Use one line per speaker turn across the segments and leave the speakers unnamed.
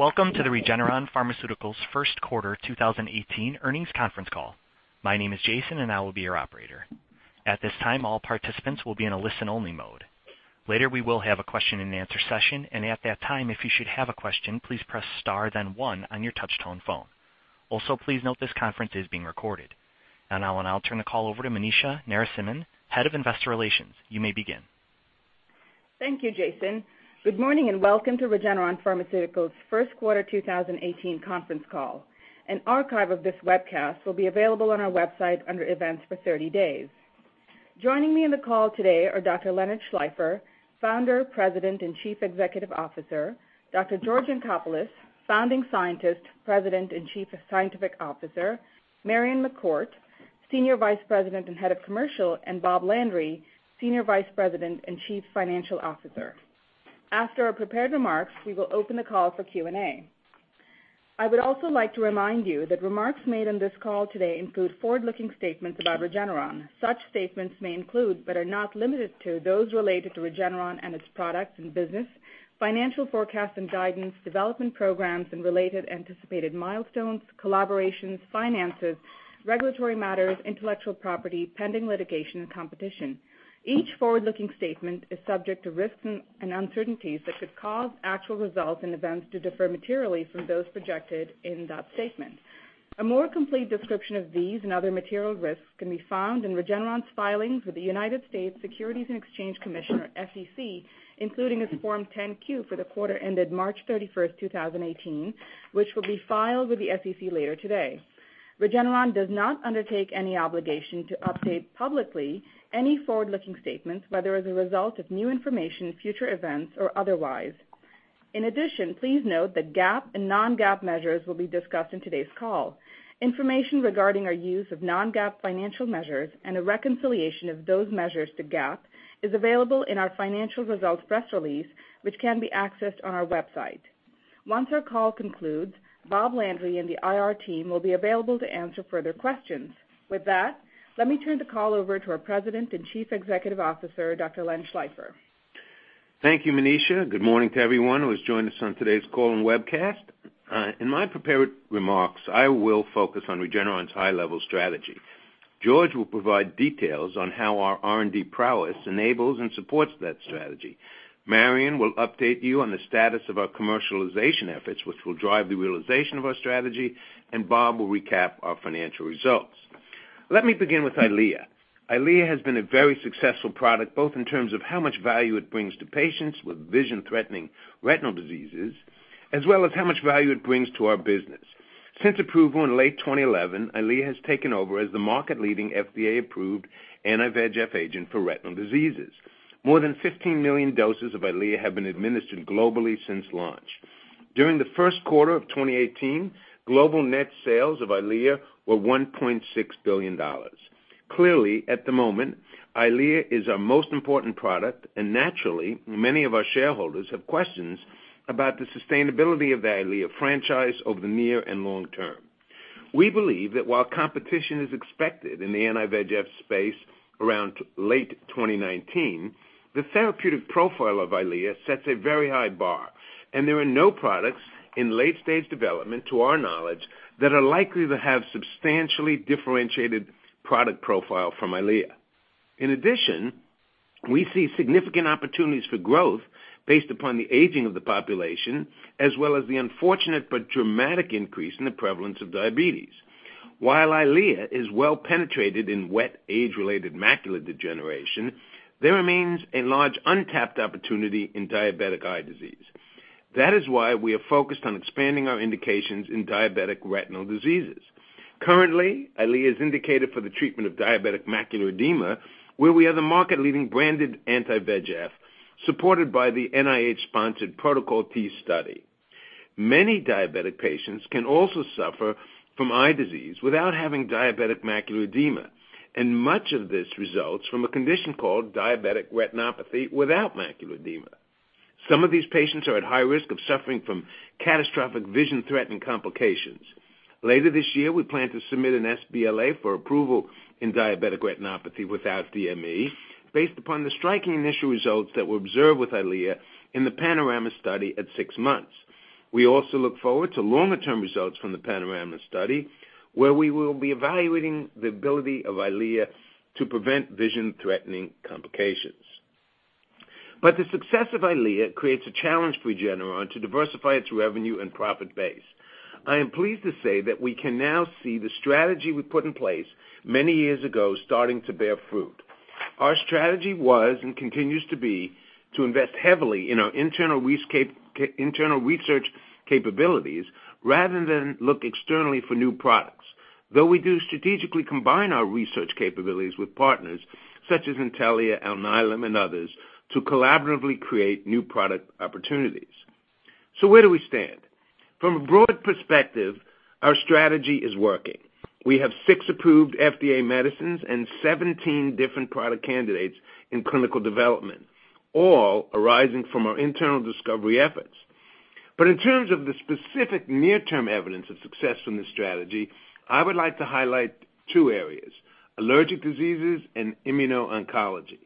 Welcome to the Regeneron Pharmaceuticals first quarter 2018 earnings conference call. My name is Jason, and I will be your operator. At this time, all participants will be in a listen-only mode. Later, we will have a question and answer session, at that time, if you should have a question, please press star then one on your touch-tone phone. Please note this conference is being recorded. Now I'll turn the call over to Manisha Narasimhan, Head of Investor Relations. You may begin.
Thank you, Jason. Good morning and welcome to Regeneron Pharmaceuticals' first quarter 2018 conference call. An archive of this webcast will be available on our website under Events for 30 days. Joining me on the call today are Dr. Leonard Schleifer, Founder, President, and Chief Executive Officer; Dr. George Yancopoulos, Founding Scientist, President, and Chief Scientific Officer; Marion McCourt, Senior Vice President and Head of Commercial; and Bob Landry, Senior Vice President and Chief Financial Officer. After our prepared remarks, we will open the call for Q&A. I would also like to remind you that remarks made on this call today include forward-looking statements about Regeneron. Such statements may include, but are not limited to, those related to Regeneron and its products and business, financial forecasts and guidance, development programs and related anticipated milestones, collaborations, finances, regulatory matters, intellectual property, pending litigation, and competition. Each forward-looking statement is subject to risks and uncertainties that could cause actual results and events to differ materially from those projected in that statement. A more complete description of these and other material risks can be found in Regeneron's filings with the U.S. Securities and Exchange Commission, or SEC, including its Form 10-Q for the quarter ended March 31st, 2018, which will be filed with the SEC later today. Regeneron does not undertake any obligation to update publicly any forward-looking statements, whether as a result of new information, future events, or otherwise. In addition, please note that GAAP and non-GAAP measures will be discussed in today's call. Information regarding our use of non-GAAP financial measures and a reconciliation of those measures to GAAP is available in our financial results press release, which can be accessed on our website. Once our call concludes, Bob Landry and the IR team will be available to answer further questions. With that, let me turn the call over to our President and Chief Executive Officer, Dr. Len Schleifer.
Thank you, Manisha. Good morning to everyone who has joined us on today's call and webcast. In my prepared remarks, I will focus on Regeneron's high-level strategy. George will provide details on how our R&D prowess enables and supports that strategy. Marion will update you on the status of our commercialization efforts, which will drive the realization of our strategy. Bob will recap our financial results. Let me begin with EYLEA. EYLEA has been a very successful product, both in terms of how much value it brings to patients with vision-threatening retinal diseases, as well as how much value it brings to our business. Since approval in late 2011, EYLEA has taken over as the market-leading FDA-approved anti-VEGF agent for retinal diseases. More than 15 million doses of EYLEA have been administered globally since launch. During the first quarter of 2018, global net sales of EYLEA were $1.6 billion. At the moment, EYLEA is our most important product, and naturally, many of our shareholders have questions about the sustainability of the EYLEA franchise over the near and long term. We believe that while competition is expected in the anti-VEGF space around late 2019, the therapeutic profile of EYLEA sets a very high bar, and there are no products in late-stage development, to our knowledge, that are likely to have substantially differentiated product profile from EYLEA. In addition, we see significant opportunities for growth based upon the aging of the population, as well as the unfortunate but dramatic increase in the prevalence of diabetes. While EYLEA is well penetrated in wet age-related macular degeneration, there remains a large untapped opportunity in diabetic eye disease. That is why we are focused on expanding our indications in diabetic retinal diseases. EYLEA is indicated for the treatment of diabetic macular edema, where we are the market-leading branded anti-VEGF, supported by the NIH-sponsored Protocol T study. Many diabetic patients can also suffer from eye disease without having diabetic macular edema, and much of this results from a condition called diabetic retinopathy without macular edema. Some of these patients are at high risk of suffering from catastrophic vision-threatening complications. Later this year, we plan to submit an sBLA for approval in diabetic retinopathy without DME based upon the striking initial results that were observed with EYLEA in the PANORAMA study at six months. We also look forward to longer-term results from the PANORAMA study, where we will be evaluating the ability of EYLEA to prevent vision-threatening complications. The success of EYLEA creates a challenge for Regeneron to diversify its revenue and profit base. I am pleased to say that we can now see the strategy we put in place many years ago starting to bear fruit. Our strategy was, and continues to be, to invest heavily in our internal research capabilities rather than look externally for new products, though we do strategically combine our research capabilities with partners such as Intellia, Alnylam, and others to collaboratively create new product opportunities. Where do we stand? From a broad perspective, our strategy is working. We have six approved FDA medicines and 17 different product candidates in clinical development, all arising from our internal discovery efforts. In terms of the specific near-term evidence of success from this strategy, I would like to highlight two areas: allergic diseases and immuno-oncology.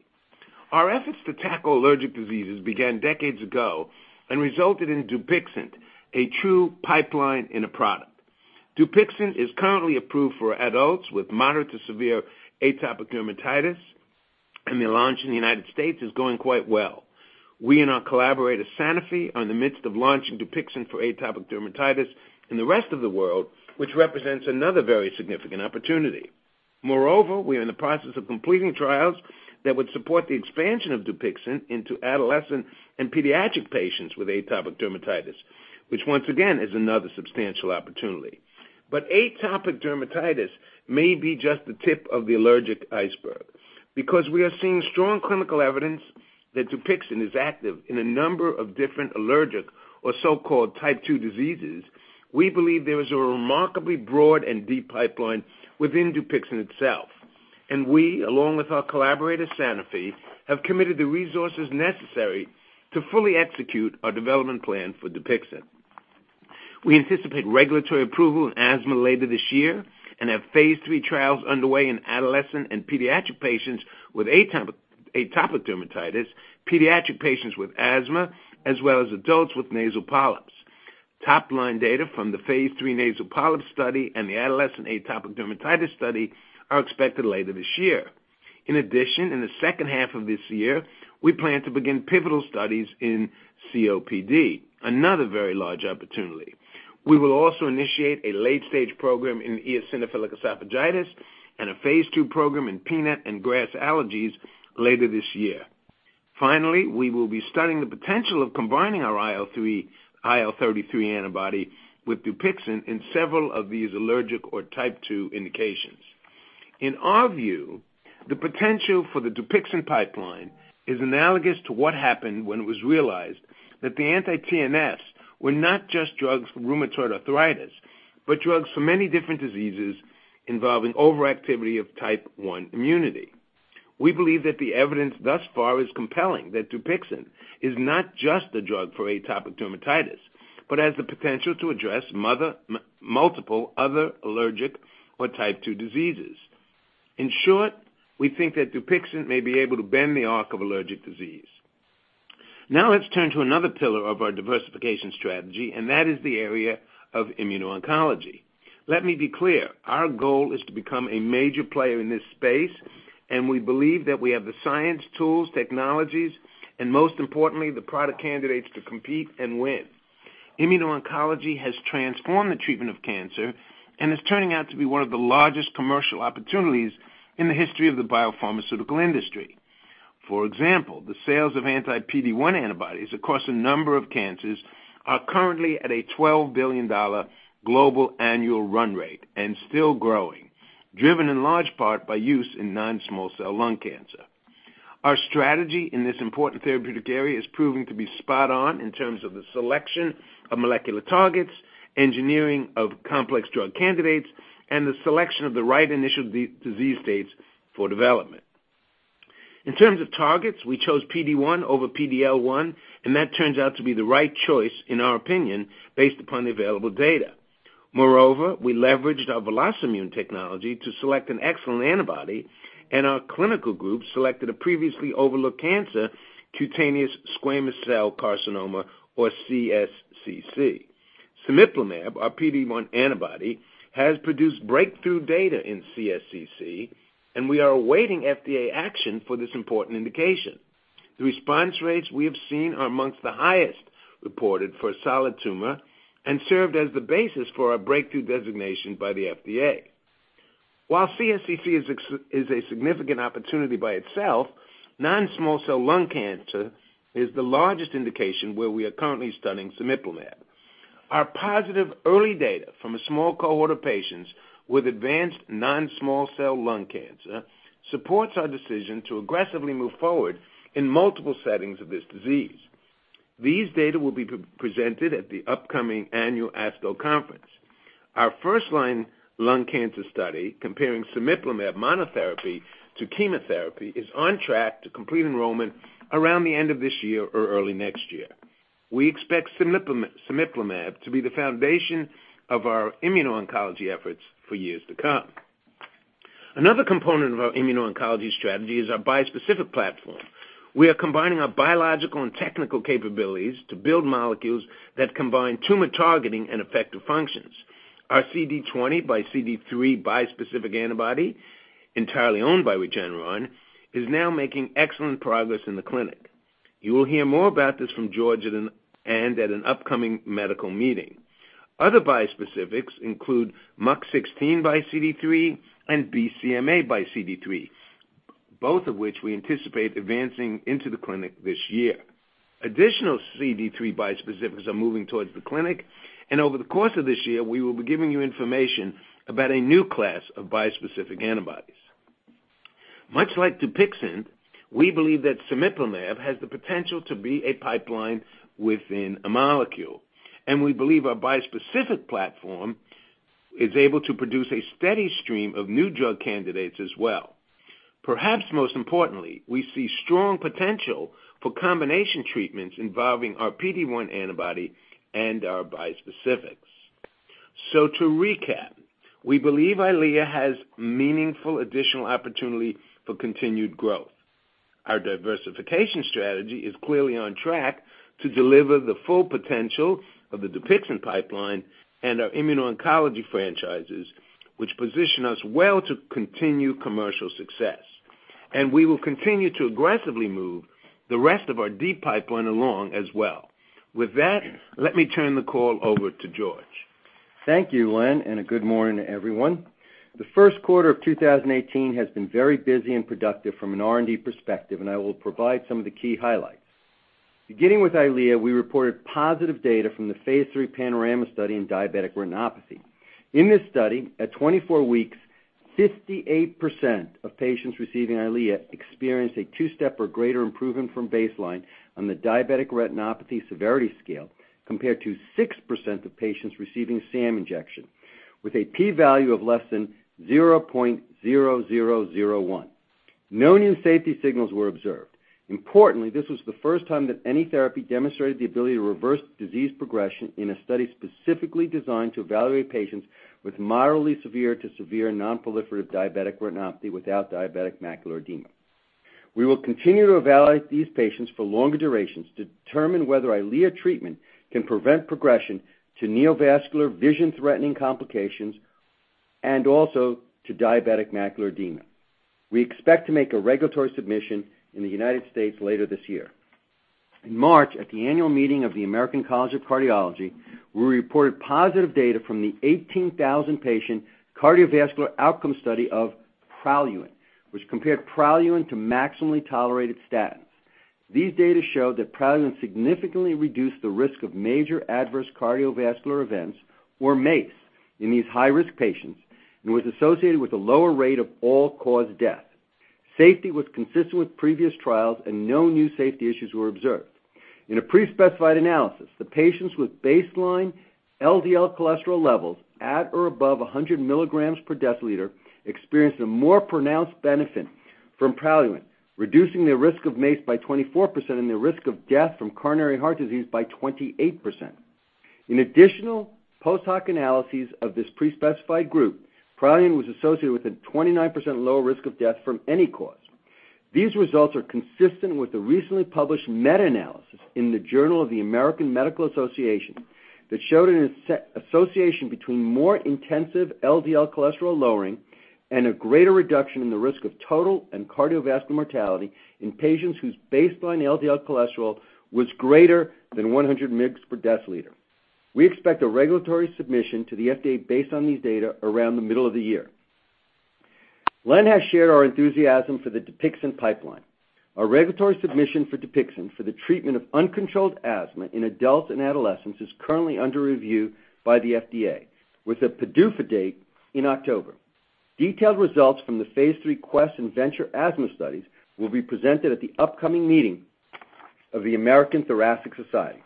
Our efforts to tackle allergic diseases began decades ago and resulted in DUPIXENT, a true pipeline in a product. DUPIXENT is currently approved for adults with moderate to severe atopic dermatitis, and the launch in the United States is going quite well. We and our collaborator, Sanofi, are in the midst of launching DUPIXENT for atopic dermatitis in the rest of the world, which represents another very significant opportunity. Moreover, we are in the process of completing trials that would support the expansion of DUPIXENT into adolescent and pediatric patients with atopic dermatitis, which once again, is another substantial opportunity. Atopic dermatitis may be just the tip of the allergic iceberg. Because we are seeing strong clinical evidence that DUPIXENT is active in a number of different allergic or so-called Type 2 diseases, we believe there is a remarkably broad and deep pipeline within DUPIXENT itself. We, along with our collaborator, Sanofi, have committed the resources necessary to fully execute our development plan for. We anticipate regulatory approval in asthma later this year and have phase III trials underway in adolescent and pediatric patients with atopic dermatitis, pediatric patients with asthma, as well as adults with nasal polyps. Top line data from the phase III nasal polyp study and the adolescent atopic dermatitis study are expected later this year. In addition, in the second half of this year, we plan to begin pivotal studies in COPD, another very large opportunity. We will also initiate a late-stage program in eosinophilic esophagitis and a phase II program in peanut and grass allergies later this year. Finally, we will be studying the potential of combining our IL-33 antibody with Dupixent in several of these allergic or Type 2 indications. In our view, the potential for the Dupixent pipeline is analogous to what happened when it was realized that the anti-TNFs were not just drugs for rheumatoid arthritis, but drugs for many different diseases involving overactivity of Type 1 immunity. We believe that the evidence thus far is compelling that Dupixent is not just a drug for atopic dermatitis, but has the potential to address multiple other allergic or Type 2 diseases. In short, we think that Dupixent may be able to bend the arc of allergic disease. Let's turn to another pillar of our diversification strategy, and that is the area of immuno-oncology. Let me be clear. Our goal is to become a major player in this space, and we believe that we have the science, tools, technologies, and most importantly, the product candidates to compete and win. Immuno-oncology has transformed the treatment of cancer and is turning out to be one of the largest commercial opportunities in the history of the biopharmaceutical industry. For example, the sales of anti-PD-1 antibodies across a number of cancers are currently at a $12 billion global annual run rate and still growing, driven in large part by use in non-small cell lung cancer. Our strategy in this important therapeutic area is proving to be spot on in terms of the selection of molecular targets, engineering of complex drug candidates, and the selection of the right initial disease states for development. In terms of targets, we chose PD-1 over PD-L1, and that turns out to be the right choice in our opinion, based upon the available data. Moreover, we leveraged our VelocImmune technology to select an excellent antibody, and our clinical group selected a previously overlooked cancer, cutaneous squamous cell carcinoma or CSCC. Cemiplimab, our PD-1 antibody, has produced breakthrough data in CSCC, and we are awaiting FDA action for this important indication. The response rates we have seen are amongst the highest reported for a solid tumor and served as the basis for our breakthrough designation by the FDA. While CSCC is a significant opportunity by itself, non-small cell lung cancer is the largest indication where we are currently studying cemiplimab. Our positive early data from a small cohort of patients with advanced non-small cell lung cancer supports our decision to aggressively move forward in multiple settings of this disease. These data will be presented at the upcoming annual ASCO conference. Our first-line lung cancer study comparing cemiplimab monotherapy to chemotherapy is on track to complete enrollment around the end of this year or early next year. We expect cemiplimab to be the foundation of our immuno-oncology efforts for years to come. Another component of our immuno-oncology strategy is our bispecific platform. We are combining our biological and technical capabilities to build molecules that combine tumor targeting and effective functions. Our CD20 by CD3 bispecific antibody, entirely owned by Regeneron, is now making excellent progress in the clinic. You will hear more about this from George at an upcoming medical meeting. Other bispecifics include MUC16 by CD3 and BCMA by CD3, both of which we anticipate advancing into the clinic this year. Additional CD3 bispecifics are moving towards the clinic, and over the course of this year, we will be giving you information about a new class of bispecific antibodies. Much like DUPIXENT, we believe that cemiplimab has the potential to be a pipeline within a molecule, and we believe our bispecific platform is able to produce a steady stream of new drug candidates as well. Perhaps most importantly, we see strong potential for combination treatments involving our PD-1 antibody and our bispecifics. To recap, we believe EYLEA has meaningful additional opportunity for continued growth. Our diversification strategy is clearly on track to deliver the full potential of the DUPIXENT pipeline and our immuno-oncology franchises, which position us well to continue commercial success. We will continue to aggressively move the rest of our deep pipeline along as well. With that, let me turn the call over to George.
Thank you, Len, and a good morning, everyone. The first quarter of 2018 has been very busy and productive from an R&D perspective, and I will provide some of the key highlights. Beginning with EYLEA, we reported positive data from the phase III PANORAMA study in diabetic retinopathy. In this study, at 24 weeks, 58% of patients receiving EYLEA experienced a two-step or greater improvement from baseline on the diabetic retinopathy severity scale, compared to 6% of patients receiving sham injection, with a p-value of less than 0.0001. No new safety signals were observed. Importantly, this was the first time that any therapy demonstrated the ability to reverse disease progression in a study specifically designed to evaluate patients with moderately severe to severe non-proliferative diabetic retinopathy without diabetic macular edema. We will continue to evaluate these patients for longer durations to determine whether EYLEA treatment can prevent progression to neovascular vision-threatening complications and also to diabetic macular edema. We expect to make a regulatory submission in the U.S. later this year. In March, at the annual meeting of the American College of Cardiology, we reported positive data from the 18,000-patient cardiovascular outcome study of PRALUENT, which compared PRALUENT to maximally tolerated statins. These data show that PRALUENT significantly reduced the risk of major adverse cardiovascular events, or MACE, in these high-risk patients and was associated with a lower rate of all-cause death. Safety was consistent with previous trials and no new safety issues were observed. In a pre-specified analysis, the patients with baseline LDL cholesterol levels at or above 100 milligrams per deciliter experienced a more pronounced benefit from PRALUENT, reducing their risk of MACE by 24% and their risk of death from coronary heart disease by 28%. In additional post-hoc analyses of this pre-specified group, PRALUENT was associated with a 29% lower risk of death from any cause. These results are consistent with the recently published meta-analysis in the Journal of the American Medical Association that showed an association between more intensive LDL cholesterol lowering and a greater reduction in the risk of total and cardiovascular mortality in patients whose baseline LDL cholesterol was greater than 100 mg per deciliter. We expect a regulatory submission to the FDA based on these data around the middle of the year. Len has shared our enthusiasm for the DUPIXENT pipeline. Our regulatory submission for DUPIXENT for the treatment of uncontrolled asthma in adults and adolescents is currently under review by the FDA, with a PDUFA date in October. Detailed results from the Phase III QUEST and VENTURE asthma studies will be presented at the upcoming meeting of the American Thoracic Society.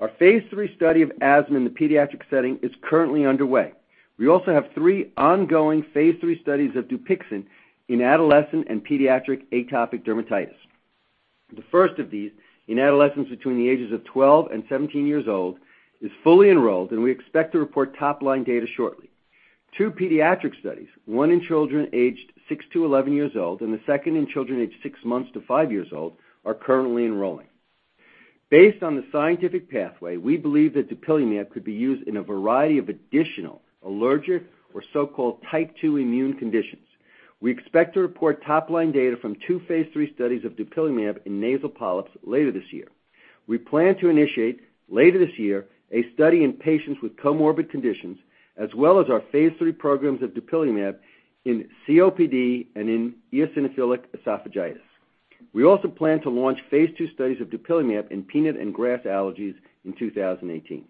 Our Phase III study of asthma in the pediatric setting is currently underway. We also have 3 ongoing Phase III studies of DUPIXENT in adolescent and pediatric atopic dermatitis. The first of these, in adolescents between the ages of 12 and 17 years old, is fully enrolled, and we expect to report top-line data shortly. 2 pediatric studies, one in children aged 6 to 11 years old and the second in children aged 6 months to 5 years old, are currently enrolling. Based on the scientific pathway, we believe that dupilumab could be used in a variety of additional allergic or so-called type 2 immune conditions. We expect to report top-line data from 2 Phase III studies of dupilumab in nasal polyps later this year. We plan to initiate, later this year, a study in patients with comorbid conditions, as well as our Phase III programs of dupilumab in COPD and in eosinophilic esophagitis. We also plan to launch Phase II studies of dupilumab in peanut and grass allergies in 2018.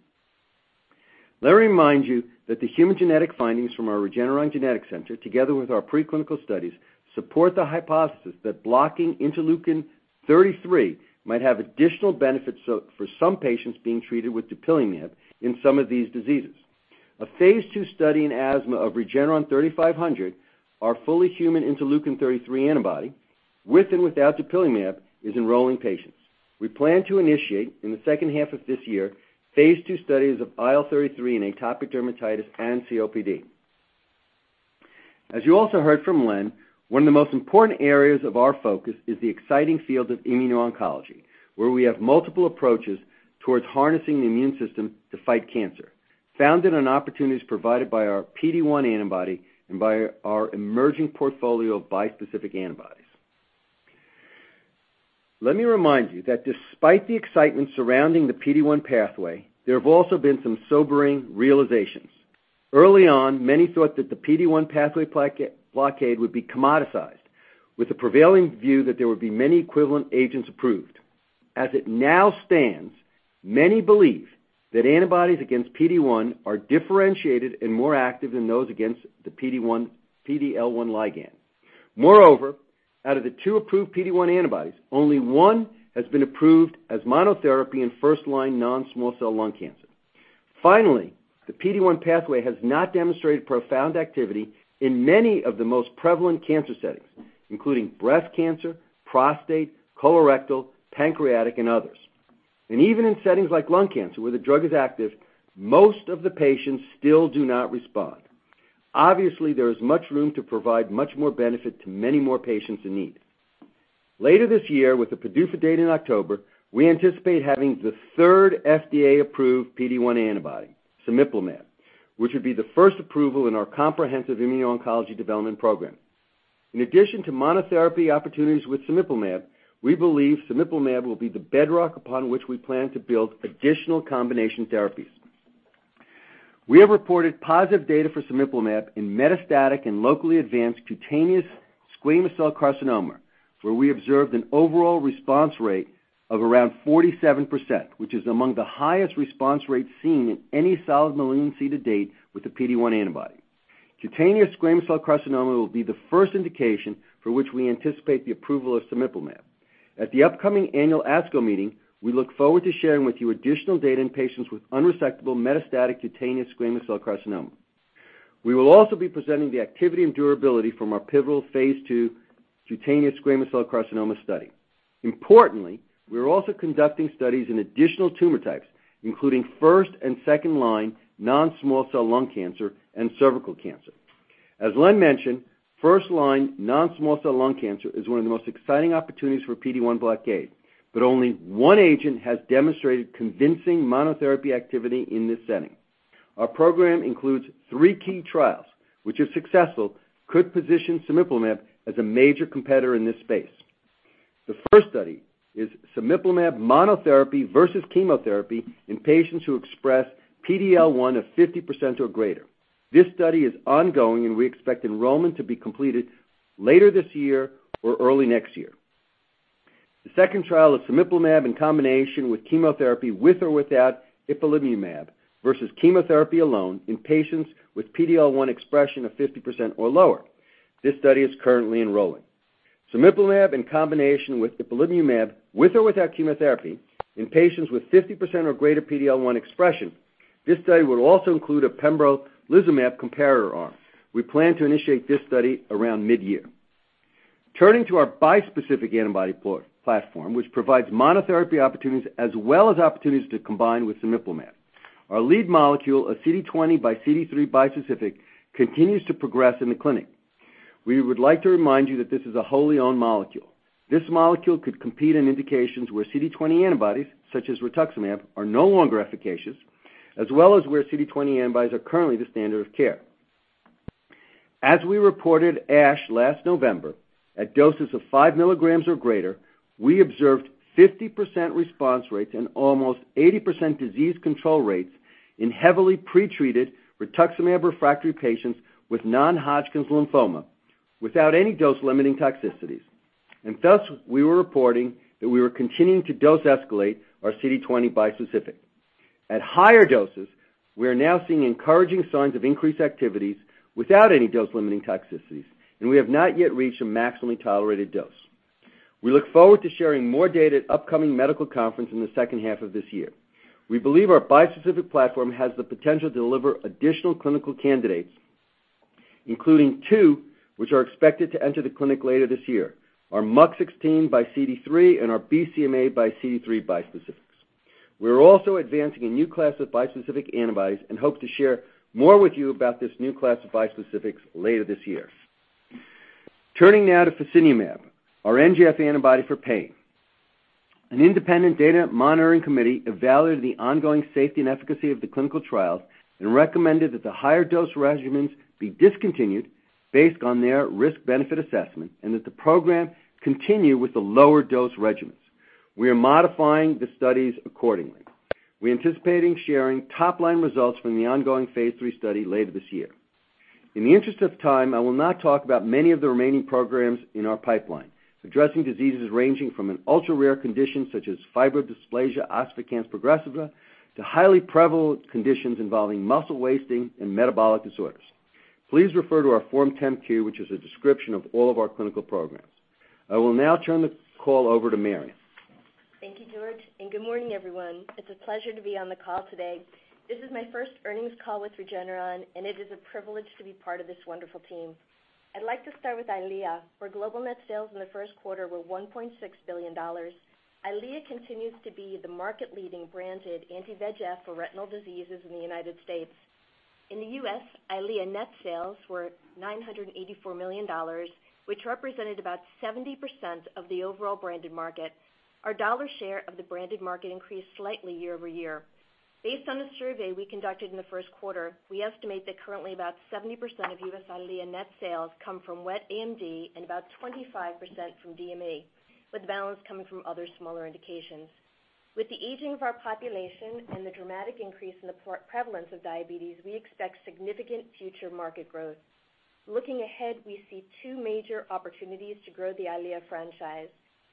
Let me remind you that the human genetic findings from our Regeneron Genetics Center, together with our preclinical studies, support the hypothesis that blocking interleukin-33 might have additional benefits for some patients being treated with dupilumab in some of these diseases. A phase II study in asthma of REGN3500, our fully human interleukin-33 antibody, with and without dupilumab, is enrolling patients. We plan to initiate, in the second half of this year, phase II studies of IL-33 in atopic dermatitis and COPD. As you also heard from Len, one of the most important areas of our focus is the exciting field of immuno-oncology, where we have multiple approaches towards harnessing the immune system to fight cancer, founded on opportunities provided by our PD-1 antibody and by our emerging portfolio of bispecific antibodies. Let me remind you that despite the excitement surrounding the PD-1 pathway, there have also been some sobering realizations. Early on, many thought that the PD-1 pathway blockade would be commoditized, with the prevailing view that there would be many equivalent agents approved. It now stands, many believe that antibodies against PD-1 are differentiated and more active than those against the PD-L1 ligand. Moreover, out of the two approved PD-1 antibodies, only one has been approved as monotherapy in first-line non-small cell lung cancer. The PD-1 pathway has not demonstrated profound activity in many of the most prevalent cancer settings, including breast cancer, prostate, colorectal, pancreatic, and others. Even in settings like lung cancer where the drug is active, most of the patients still do not respond. Obviously, there is much room to provide much more benefit to many more patients in need. Later this year, with the PDUFA date in October, we anticipate having the third FDA-approved PD-1 antibody, cemiplimab, which would be the first approval in our comprehensive immuno-oncology development program. In addition to monotherapy opportunities with cemiplimab, we believe cemiplimab will be the bedrock upon which we plan to build additional combination therapies. We have reported positive data for cemiplimab in metastatic and locally advanced cutaneous squamous cell carcinoma, where we observed an overall response rate of around 47%, which is among the highest response rates seen in any solid malignancy to date with the PD-1 antibody. Cutaneous squamous cell carcinoma will be the first indication for which we anticipate the approval of cemiplimab. At the upcoming annual ASCO meeting, we look forward to sharing with you additional data in patients with unresectable metastatic cutaneous squamous cell carcinoma. We will also be presenting the activity and durability from our pivotal phase II cutaneous squamous cell carcinoma study. Importantly, we are also conducting studies in additional tumor types, including first and second-line non-small cell lung cancer and cervical cancer. Len mentioned, first-line non-small cell lung cancer is one of the most exciting opportunities for PD-1 blockade. Only one agent has demonstrated convincing monotherapy activity in this setting. Our program includes three key trials, which if successful, could position cemiplimab as a major competitor in this space. The first study is cemiplimab monotherapy versus chemotherapy in patients who express PD-L1 of 50% or greater. This study is ongoing, and we expect enrollment to be completed later this year or early next year. The second trial is cemiplimab in combination with chemotherapy, with or without ipilimumab, versus chemotherapy alone in patients with PD-L1 expression of 50% or lower. This study is currently enrolling. Cemiplimab in combination with ipilimumab, with or without chemotherapy, in patients with 50% or greater PD-L1 expression. This study will also include a pembrolizumab comparator arm. We plan to initiate this study around mid-year. Turning to our bispecific antibody platform, which provides monotherapy opportunities as well as opportunities to combine with cemiplimab. Our lead molecule, a CD20 by CD3 bispecific, continues to progress in the clinic. We would like to remind you that this is a wholly owned molecule. This molecule could compete in indications where CD20 antibodies, such as rituximab, are no longer efficacious, as well as where CD20 antibodies are currently the standard of care. As we reported at ASH last November, at doses of five milligrams or greater, we observed 50% response rates and almost 80% disease control rates in heavily pretreated rituximab-refractory patients with non-Hodgkin's lymphoma without any dose-limiting toxicities. Thus, we were reporting that we were continuing to dose escalate our CD20 bispecific. At higher doses, we are now seeing encouraging signs of increased activities without any dose-limiting toxicities, and we have not yet reached a maximally tolerated dose. We look forward to sharing more data at upcoming medical conference in the second half of this year. We believe our bispecific platform has the potential to deliver additional clinical candidates, including two which are expected to enter the clinic later this year, our MUC16 by CD3 and our BCMA by CD3 bispecifics. We are also advancing a new class of bispecific antibodies and hope to share more with you about this new class of bispecifics later this year. Turning now to fasinumab, our NGF antibody for pain. An independent data monitoring committee evaluated the ongoing safety and efficacy of the clinical trials and recommended that the higher dose regimens be discontinued based on their risk-benefit assessment and that the program continue with the lower dose regimens. We are modifying the studies accordingly. We're anticipating sharing top-line results from the ongoing phase III study later this year. In the interest of time, I will not talk about many of the remaining programs in our pipeline, addressing diseases ranging from an ultra-rare condition such as fibrodysplasia ossificans progressiva to highly prevalent conditions involving muscle wasting and metabolic disorders. Please refer to our Form 10-Q, which is a description of all of our clinical programs. I will now turn the call over to Marion.
Thank you, George, and good morning, everyone. It's a pleasure to be on the call today. This is my first earnings call with Regeneron, and it is a privilege to be part of this wonderful team. I'd like to start with EYLEA, where global net sales in the first quarter were $1.6 billion. EYLEA continues to be the market-leading branded anti-VEGF for retinal diseases in the United States. In the U.S., EYLEA net sales were $984 million, which represented about 70% of the overall branded market. Our dollar share of the branded market increased slightly year-over-year. Based on a survey we conducted in the first quarter, we estimate that currently about 70% of U.S. EYLEA net sales come from wet AMD and about 25% from DME, with the balance coming from other smaller indications. With the aging of our population and the dramatic increase in the prevalence of diabetes, we expect significant future market growth. Looking ahead, we see two major opportunities to grow the EYLEA franchise.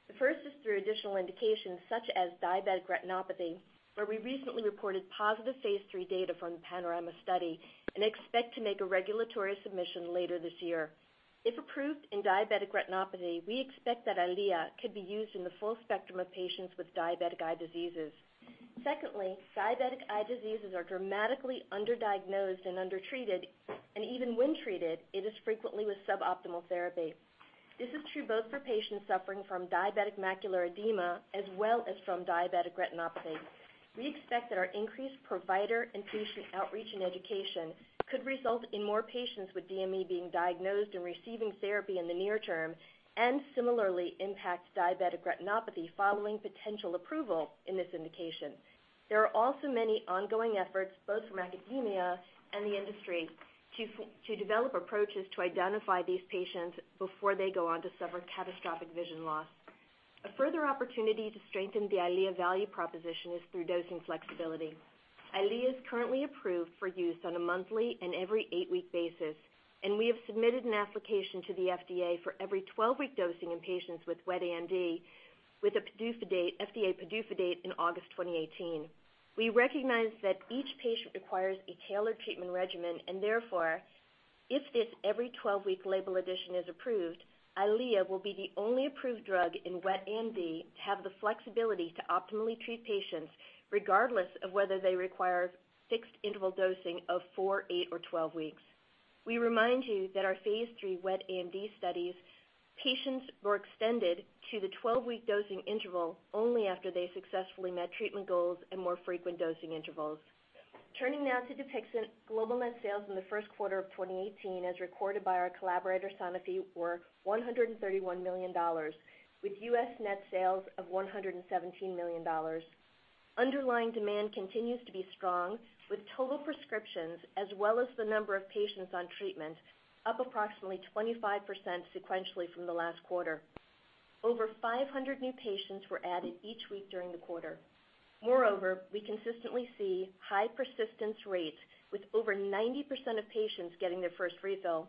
The first is through additional indications such as diabetic retinopathy, where we recently reported positive phase III data from the PANORAMA study and expect to make a regulatory submission later this year. If approved in diabetic retinopathy, we expect that EYLEA could be used in the full spectrum of patients with diabetic eye diseases. Diabetic eye diseases are dramatically under-diagnosed and under-treated, and even when treated, it is frequently with suboptimal therapy. This is true both for patients suffering from diabetic macular edema, as well as from diabetic retinopathy. We expect that our increased provider and patient outreach and education could result in more patients with DME being diagnosed and receiving therapy in the near term, and similarly impact diabetic retinopathy following potential approval in this indication. Many ongoing efforts, both from academia and the industry, to develop approaches to identify these patients before they go on to suffer catastrophic vision loss. A further opportunity to strengthen the EYLEA value proposition is through dosing flexibility. EYLEA is currently approved for use on a monthly and every 8-week basis, and we have submitted an application to the FDA for every 12-week dosing in patients with wet AMD with a FDA PDUFA date in August 2018. We recognize that each patient requires a tailored treatment regimen. Therefore, if this every 12-week label addition is approved, EYLEA will be the only approved drug in wet AMD to have the flexibility to optimally treat patients, regardless of whether they require fixed-interval dosing of four, eight, or 12 weeks. We remind you that our phase III wet AMD studies patients were extended to the 12-week dosing interval only after they successfully met treatment goals and more frequent dosing intervals. Turning now to DUPIXENT. Global net sales in the first quarter of 2018, as recorded by our collaborator, Sanofi, were $131 million, with U.S. net sales of $117 million. Underlying demand continues to be strong, with total prescriptions as well as the number of patients on treatment up approximately 25% sequentially from the last quarter. Over 500 new patients were added each week during the quarter. We consistently see high persistence rates, with over 90% of patients getting their first refill.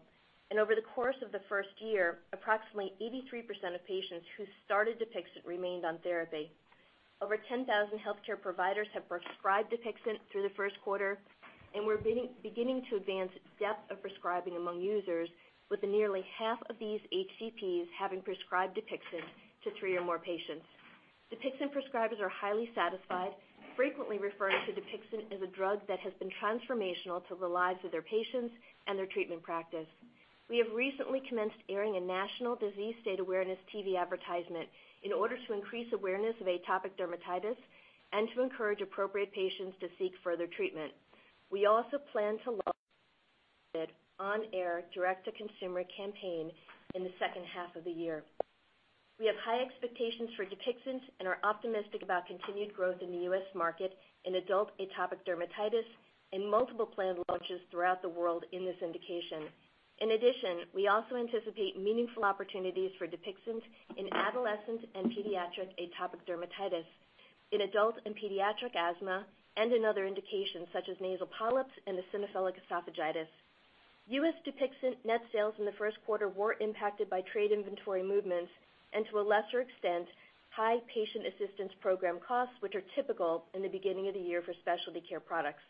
Over the course of the first year, approximately 83% of patients who started DUPIXENT remained on therapy. Over 10,000 healthcare providers have prescribed DUPIXENT through the first quarter, and we're beginning to advance depth of prescribing among users with nearly half of these HCPs having prescribed DUPIXENT to three or more patients. DUPIXENT prescribers are highly satisfied, frequently referring to DUPIXENT as a drug that has been transformational to the lives of their patients and their treatment practice. We have recently commenced airing a national disease state awareness TV advertisement in order to increase awareness of atopic dermatitis and to encourage appropriate patients to seek further treatment. We also plan to on-air direct-to-consumer campaign in the second half of the year. We have high expectations for DUPIXENT and are optimistic about continued growth in the U.S. market in adult atopic dermatitis and multiple planned launches throughout the world in this indication. In addition, we also anticipate meaningful opportunities for DUPIXENT in adolescent and pediatric atopic dermatitis, in adult and pediatric asthma, and in other indications such as nasal polyps and eosinophilic esophagitis. U.S. DUPIXENT net sales in the first quarter were impacted by trade inventory movements and, to a lesser extent, high patient assistance program costs, which are typical in the beginning of the year for specialty care products.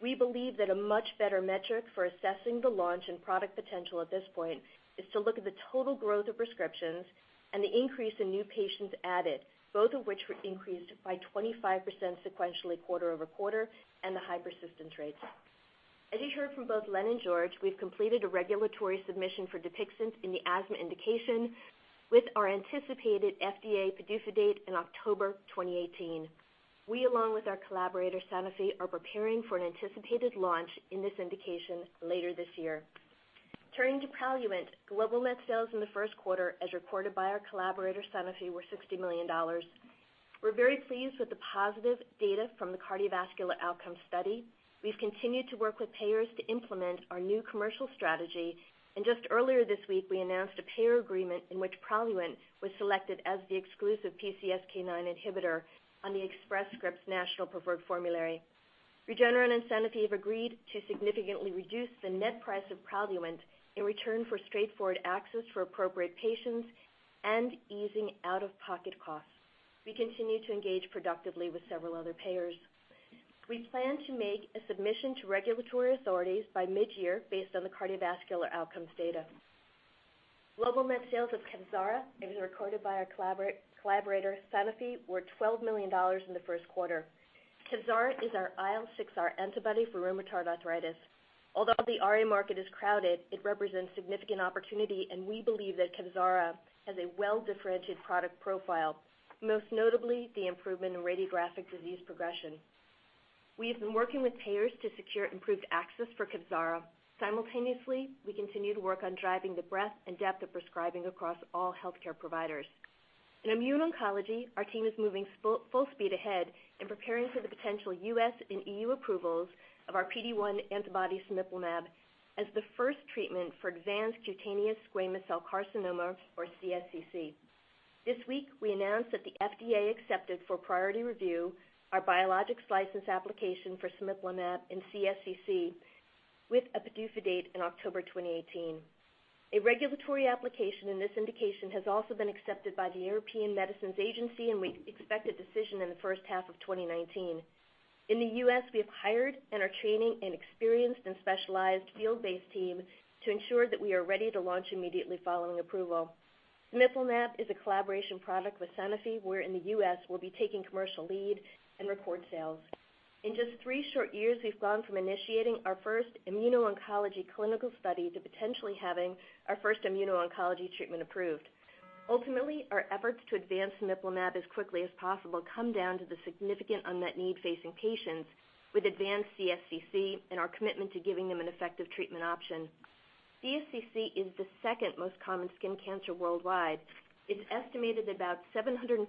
We believe that a much better metric for assessing the launch and product potential at this point is to look at the total growth of prescriptions and the increase in new patients added, both of which were increased by 25% sequentially quarter-over-quarter, and the high persistence rates. As you heard from both Len and George, we've completed a regulatory submission for DUPIXENT in the asthma indication with our anticipated FDA PDUFA date in October 2018. We, along with our collaborator, Sanofi, are preparing for an anticipated launch in this indication later this year. Turning to PRALUENT, global net sales in the first quarter, as recorded by our collaborator, Sanofi, were $60 million. We're very pleased with the positive data from the cardiovascular outcome study. We've continued to work with payers to implement our new commercial strategy, and just earlier this week, we announced a payer agreement in which PRALUENT was selected as the exclusive PCSK9 inhibitor on the Express Scripts National Preferred Formulary. Regeneron and Sanofi have agreed to significantly reduce the net price of PRALUENT in return for straightforward access for appropriate patients and easing out-of-pocket costs. We continue to engage productively with several other payers. We plan to make a submission to regulatory authorities by mid-year based on the cardiovascular outcomes data. Global net sales of KEVZARA, as recorded by our collaborator, Sanofi, were $12 million in the first quarter. KEVZARA is our IL-6R antibody for rheumatoid arthritis. Although the RA market is crowded, it represents significant opportunity, and we believe that KEVZARA has a well-differentiated product profile, most notably the improvement in radiographic disease progression. We have been working with payers to secure improved access for KEVZARA. Simultaneously, we continue to work on driving the breadth and depth of prescribing across all healthcare providers. In immune oncology, our team is moving full speed ahead in preparing for the potential U.S. and EU approvals of our PD-1 antibody cemiplimab as the first treatment for advanced cutaneous squamous cell carcinoma, or CSCC. This week, we announced that the FDA accepted for priority review our biologics license application for cemiplimab in CSCC with a PDUFA date in October 2018. A regulatory application in this indication has also been accepted by the European Medicines Agency, and we expect a decision in the first half of 2019. In the U.S., we have hired and are training an experienced and specialized field-based team to ensure that we are ready to launch immediately following approval. Cemiplimab is a collaboration product with Sanofi, where in the U.S., we'll be taking commercial lead and record sales. In just three short years, we've gone from initiating our first immuno-oncology clinical study to potentially having our first immuno-oncology treatment approved. Ultimately, our efforts to advance cemiplimab as quickly as possible come down to the significant unmet need facing patients with advanced CSCC and our commitment to giving them an effective treatment option. CSCC is the second most common skin cancer worldwide. It's estimated about 750,000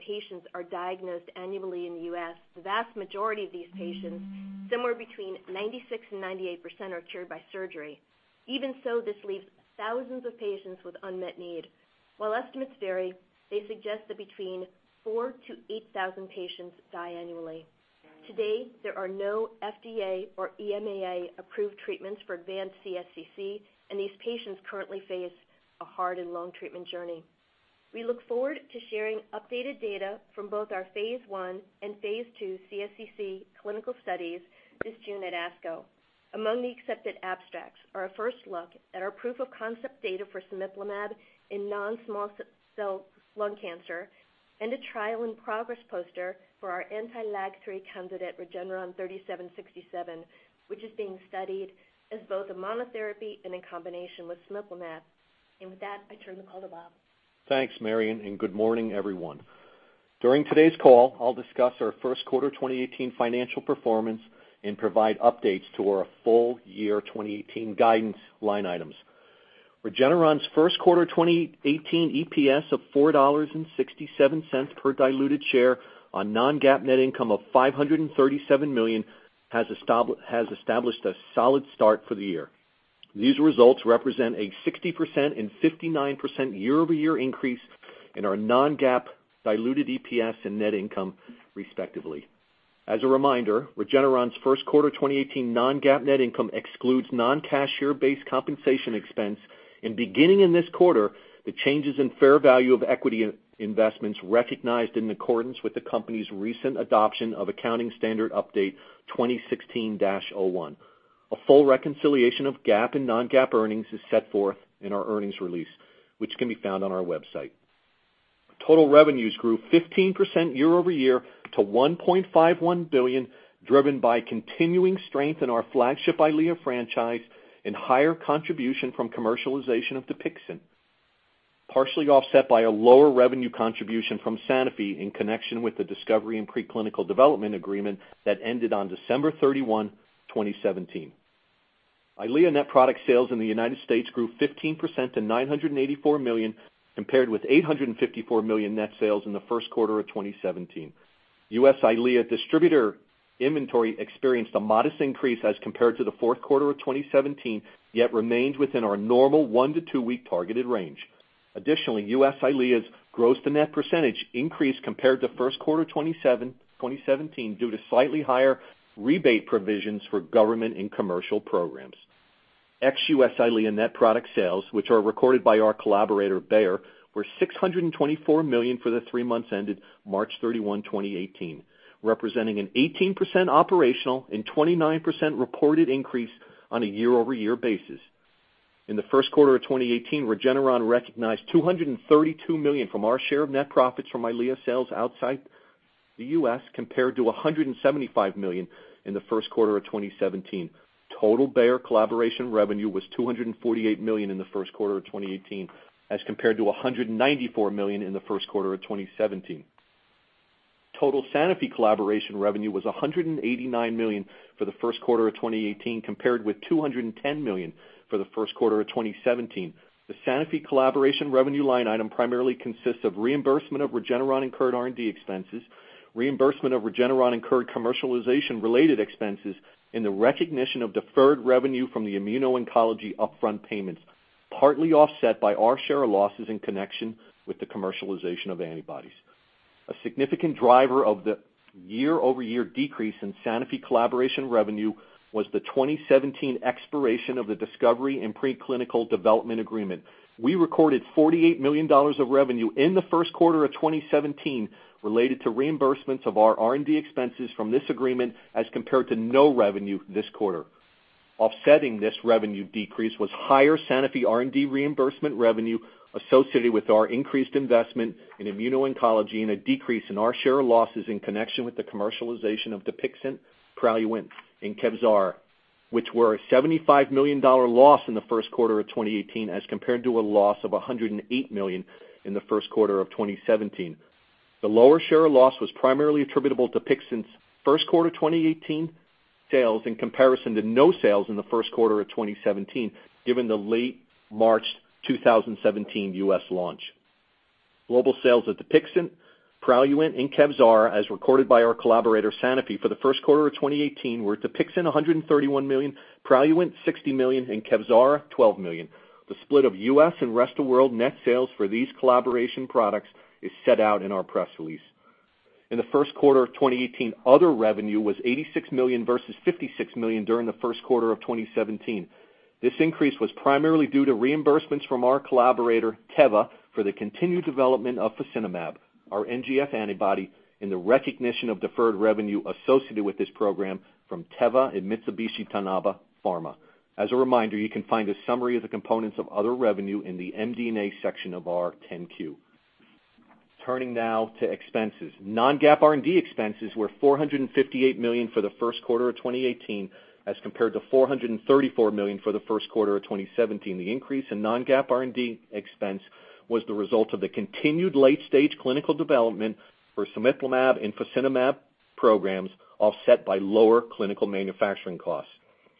patients are diagnosed annually in the U.S. The vast majority of these patients, somewhere between 96% and 98%, are cured by surgery. Even so, this leaves thousands of patients with unmet need. While estimates vary, they suggest that between 4,000 to 8,000 patients die annually. Today, there are no FDA or EMA-approved treatments for advanced CSCC, and these patients currently face a hard and long treatment journey. We look forward to sharing updated data from both our phase I and phase II CSCC clinical studies this June at ASCO. Among the accepted abstracts are a first look at our proof of concept data for cemiplimab in non-small cell lung cancer and a trial in progress poster for our anti-LAG3 candidate, REGN3767, which is being studied as both a monotherapy and in combination with cemiplimab. With that, I turn the call to Bob.
Thanks, Marion, and good morning, everyone. During today's call, I'll discuss our first quarter 2018 financial performance and provide updates to our full year 2018 guidance line items. Regeneron's first quarter 2018 EPS of $4.67 per diluted share on non-GAAP net income of $537 million has established a solid start for the year. These results represent a 60% and 59% year-over-year increase in our non-GAAP diluted EPS and net income, respectively. As a reminder, Regeneron's first quarter 2018 non-GAAP net income excludes non-cash share-based compensation expense, and beginning in this quarter, the changes in fair value of equity investments recognized in accordance with the company's recent adoption of Accounting Standards Update 2016-01. A full reconciliation of GAAP and non-GAAP earnings is set forth in our earnings release, which can be found on our website. Total revenues grew 15% year-over-year to $1.51 billion, driven by continuing strength in our flagship EYLEA franchise and higher contribution from commercialization of DUPIXENT, partially offset by a lower revenue contribution from Sanofi in connection with the discovery and preclinical development agreement that ended on December 31, 2017. EYLEA net product sales in the U.S. grew 15% to $984 million, compared with $854 million net sales in the first quarter of 2017. U.S. EYLEA distributor inventory experienced a modest increase as compared to the fourth quarter of 2017, yet remains within our normal one to two-week targeted range. Additionally, U.S. EYLEA's gross to net percentage increased compared to first quarter 2017 due to slightly higher rebate provisions for government and commercial programs. Ex-U.S. EYLEA net product sales, which are recorded by our collaborator Bayer, were $624 million for the three months ended March 31, 2018, representing an 18% operational and 29% reported increase on a year-over-year basis. In the first quarter of 2018, Regeneron recognized $232 million from our share of net profits from EYLEA sales outside the U.S. compared to $175 million in the first quarter of 2017. Total Bayer collaboration revenue was $248 million in the first quarter of 2018 as compared to $194 million in the first quarter of 2017. Total Sanofi collaboration revenue was $189 million for the first quarter of 2018 compared with $210 million for the first quarter of 2017. The Sanofi collaboration revenue line item primarily consists of reimbursement of Regeneron-incurred R&D expenses, reimbursement of Regeneron-incurred commercialization-related expenses, and the recognition of deferred revenue from the immuno-oncology upfront payments, partly offset by our share of losses in connection with the commercialization of antibodies. A significant driver of the year-over-year decrease in Sanofi collaboration revenue was the 2017 expiration of the discovery and preclinical development agreement. We recorded $48 million of revenue in the first quarter of 2017 related to reimbursements of our R&D expenses from this agreement as compared to no revenue this quarter. Offsetting this revenue decrease was higher Sanofi R&D reimbursement revenue associated with our increased investment in immuno-oncology and a decrease in our share of losses in connection with the commercialization of DUPIXENT, PRALUENT, and KEVZARA, which were a $75 million loss in the first quarter of 2018 as compared to a loss of $108 million in the first quarter of 2017. The lower share of loss was primarily attributable to DUPIXENT's first quarter 2018 sales in comparison to no sales in the first quarter of 2017, given the late March 2017 U.S. launch. Global sales of DUPIXENT, PRALUENT, and KEVZARA, as recorded by our collaborator Sanofi for the first quarter of 2018, were DUPIXENT $131 million, PRALUENT $60 million, and KEVZARA $12 million. The split of U.S. and rest of world net sales for these collaboration products is set out in our press release. In the first quarter of 2018, other revenue was $86 million versus $56 million during the first quarter of 2017. This increase was primarily due to reimbursements from our collaborator, Teva, for the continued development of fasinumab, our NGF antibody, and the recognition of deferred revenue associated with this program from Teva and Mitsubishi Tanabe Pharma. As a reminder, you can find a summary of the components of other revenue in the MD&A section of our 10-Q. Turning now to expenses. Non-GAAP R&D expenses were $458 million for the first quarter of 2018 as compared to $434 million for the first quarter of 2017. The increase in non-GAAP R&D expense was the result of the continued late-stage clinical development for cemiplimab and fasinumab programs, offset by lower clinical manufacturing costs.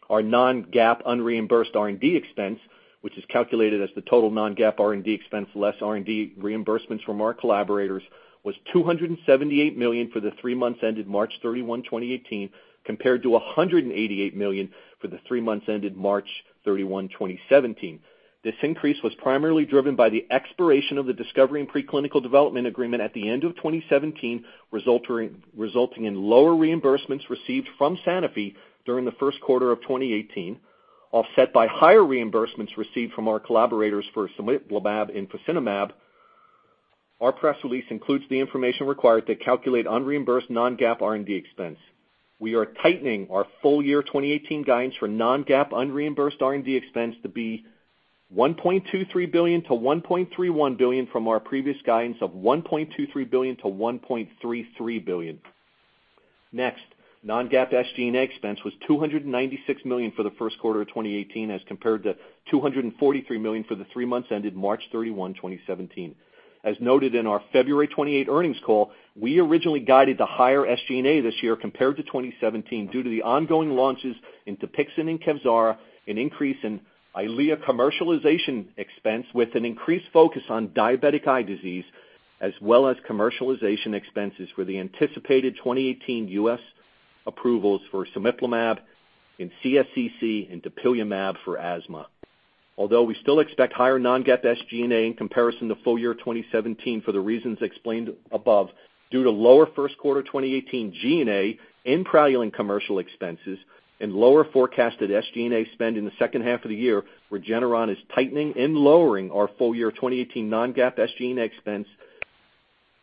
Our non-GAAP unreimbursed R&D expense, which is calculated as the total non-GAAP R&D expense less R&D reimbursements from our collaborators, was $278 million for the three months ended March 31, 2018, compared to $188 million for the three months ended March 31, 2017. This increase was primarily driven by the expiration of the discovery and preclinical development agreement at the end of 2017, resulting in lower reimbursements received from Sanofi during the first quarter of 2018, offset by higher reimbursements received from our collaborators for cemiplimab and fasinumab. Our press release includes the information required to calculate unreimbursed non-GAAP R&D expense. We are tightening our full-year 2018 guidance for non-GAAP unreimbursed R&D expense to be $1.23 billion-$1.31 billion from our previous guidance of $1.23 billion-$1.33 billion. non-GAAP SG&A expense was $296 million for the first quarter of 2018 as compared to $243 million for the three months ended March 31, 2017. As noted in our February 28 earnings call, we originally guided to higher SG&A this year compared to 2017 due to the ongoing launches in DUPIXENT and KEVZARA, an increase in EYLEA commercialization expense with an increased focus on diabetic eye disease, as well as commercialization expenses for the anticipated 2018 U.S. approvals for cemiplimab in CSCC and dupilumab for asthma. Although we still expect higher non-GAAP SG&A in comparison to full-year 2017 for the reasons explained above, due to lower first quarter 2018 G&A in PRALUENT commercial expenses and lower forecasted SG&A spend in the second half of the year, Regeneron is tightening and lowering our full-year 2018 non-GAAP SG&A expense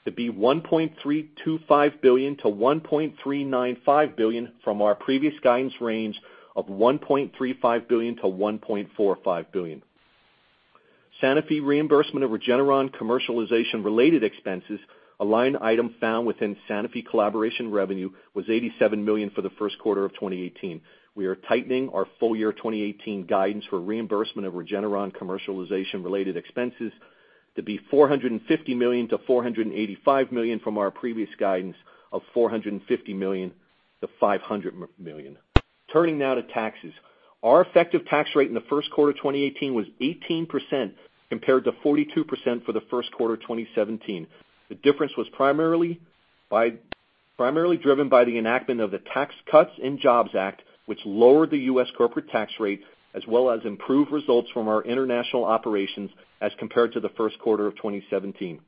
to be $1.325 billion-$1.395 billion from our previous guidance range of $1.35 billion-$1.45 billion. Sanofi reimbursement of Regeneron commercialization related expenses, a line item found within Sanofi collaboration revenue, was $87 million for the first quarter of 2018. We are tightening our full-year 2018 guidance for reimbursement of Regeneron commercialization related expenses to be $450 million-$485 million from our previous guidance of $450 million-$500 million. Turning now to taxes. Our effective tax rate in the first quarter 2018 was 18%, compared to 42% for the first quarter 2017. The difference was primarily driven by the enactment of the Tax Cuts and Jobs Act, which lowered the U.S. corporate tax rate, as well as improved results from our international operations as compared to the first quarter of 2017.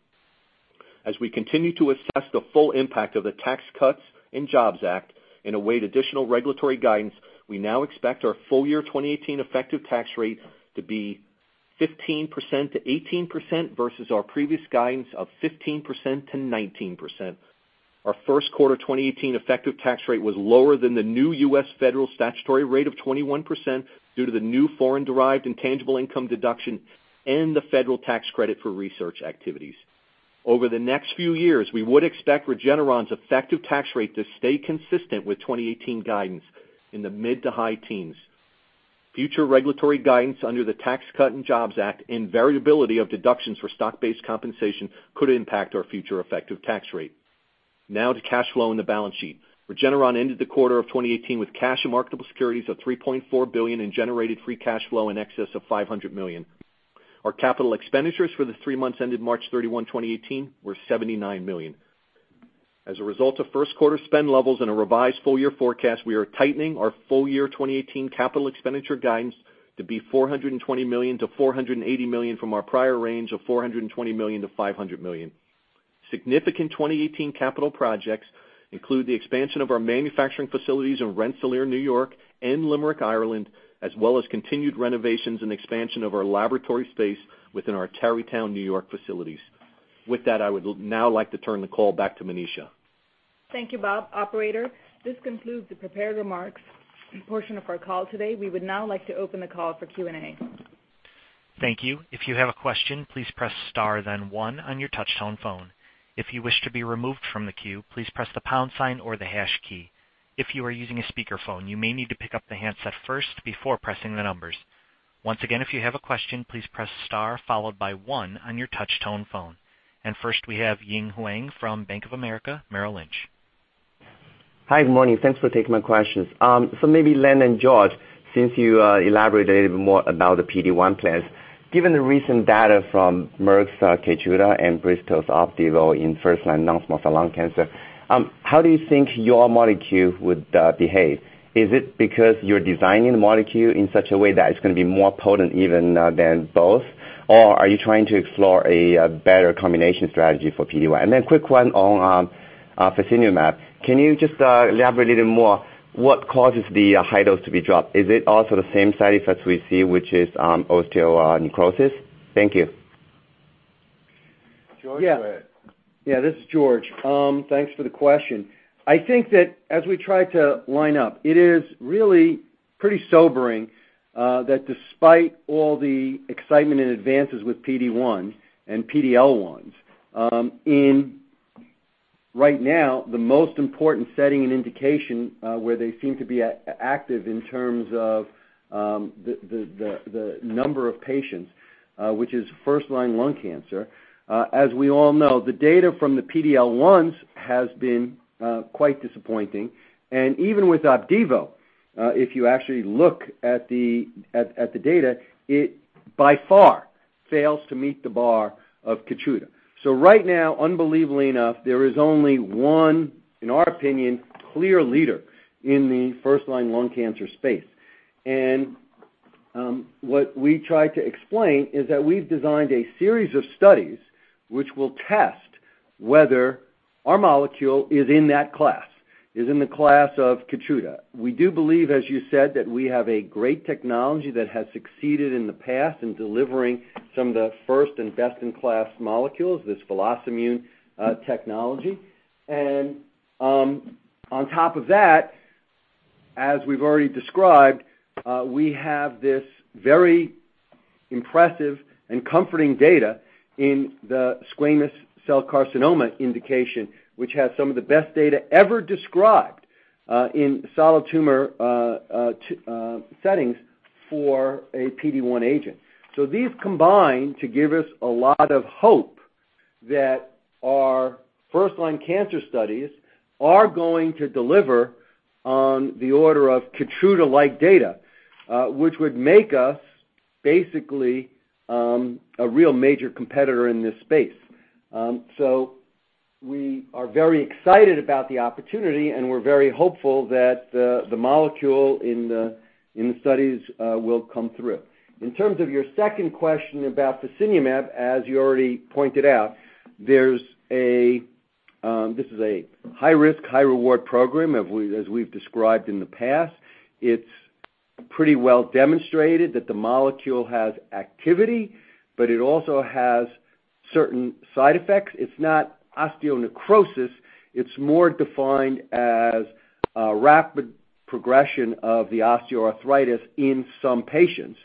As we continue to assess the full impact of the Tax Cuts and Jobs Act and await additional regulatory guidance, we now expect our full-year 2018 effective tax rate to be 15%-18%, versus our previous guidance of 15%-19%. Our first quarter 2018 effective tax rate was lower than the new U.S. federal statutory rate of 21% due to the new foreign-derived intangible income deduction and the federal tax credit for research activities. Over the next few years, we would expect Regeneron's effective tax rate to stay consistent with 2018 guidance in the mid to high teens. Future regulatory guidance under the Tax Cuts and Jobs Act and variability of deductions for stock-based compensation could impact our future effective tax rate. Now to cash flow and the balance sheet. Regeneron ended the quarter of 2018 with cash and marketable securities of $3.4 billion and generated free cash flow in excess of $500 million. Our capital expenditures for the three months ended March 31, 2018, were $79 million. As a result of first quarter spend levels and a revised full-year forecast, we are tightening our full-year 2018 capital expenditure guidance to be $420 million-$480 million from our prior range of $420 million-$500 million. Significant 2018 capital projects include the expansion of our manufacturing facilities in Rensselaer, N.Y. and Limerick, Ireland, as well as continued renovations and expansion of our laboratory space within our Tarrytown, N.Y. facilities. With that, I would now like to turn the call back to Manisha.
Thank you, Bob. Operator, this concludes the prepared remarks portion of our call today. We would now like to open the call for Q&A.
Thank you. If you have a question, please press star then one on your touch tone phone. If you wish to be removed from the queue, please press the pound sign or the hash key. If you are using a speakerphone, you may need to pick up the handset first before pressing the numbers. Once again, if you have a question, please press star followed by one on your touch tone phone. First we have Ying Huang from Bank of America, Merrill Lynch.
Hi, good morning. Thanks for taking my questions. Maybe Len and George, since you elaborated a little more about the PD-1 plans. Given the recent data from Merck's KEYTRUDA and Bristol's OPDIVO in first-line non-small cell lung cancer, how do you think your molecule would behave? Is it because you're designing the molecule in such a way that it's gonna be more potent even than both? Or are you trying to explore a better combination strategy for PD-1? Then a quick one on fasinumab. Can you just elaborate a little more what causes the high dose to be dropped? Is it also the same side effects we see, which is osteonecrosis? Thank you.
George, go ahead.
This is George. Thanks for the question. I think that as we try to line up, it is really pretty sobering that despite all the excitement and advances with PD-1 and PD-L1, right now, the most important setting and indication where they seem to be active in terms of the number of patients, which is first-line lung cancer. We all know, the data from the PD-L1s has been quite disappointing. Even with OPDIVO, if you actually look at the data, it by far fails to meet the bar of KEYTRUDA. Right now, unbelievably enough, there is only one, in our opinion, clear leader in the first-line lung cancer space. What we try to explain is that we've designed a series of studies which will test whether our molecule is in that class, is in the class of KEYTRUDA. We do believe, as you said, that we have a great technology that has succeeded in the past in delivering some of the first and best-in-class molecules, this VelocImmune technology. On top of that, as we've already described, we have this very impressive and comforting data in the squamous cell carcinoma indication, which has some of the best data ever described in solid tumor settings for a PD-1 agent. These combine to give us a lot of hope that our first-line cancer studies are going to deliver on the order of KEYTRUDA-like data, which would make us basically a real major competitor in this space. We are very excited about the opportunity, and we're very hopeful that the molecule in the studies will come through. In terms of your second question about fasinumab, as you already pointed out, this is a high-risk, high-reward program as we've described in the past. It's pretty well demonstrated that the molecule has activity, but it also has certain side effects. It's not osteonecrosis. It's more defined as a rapid progression of the osteoarthritis in some patients.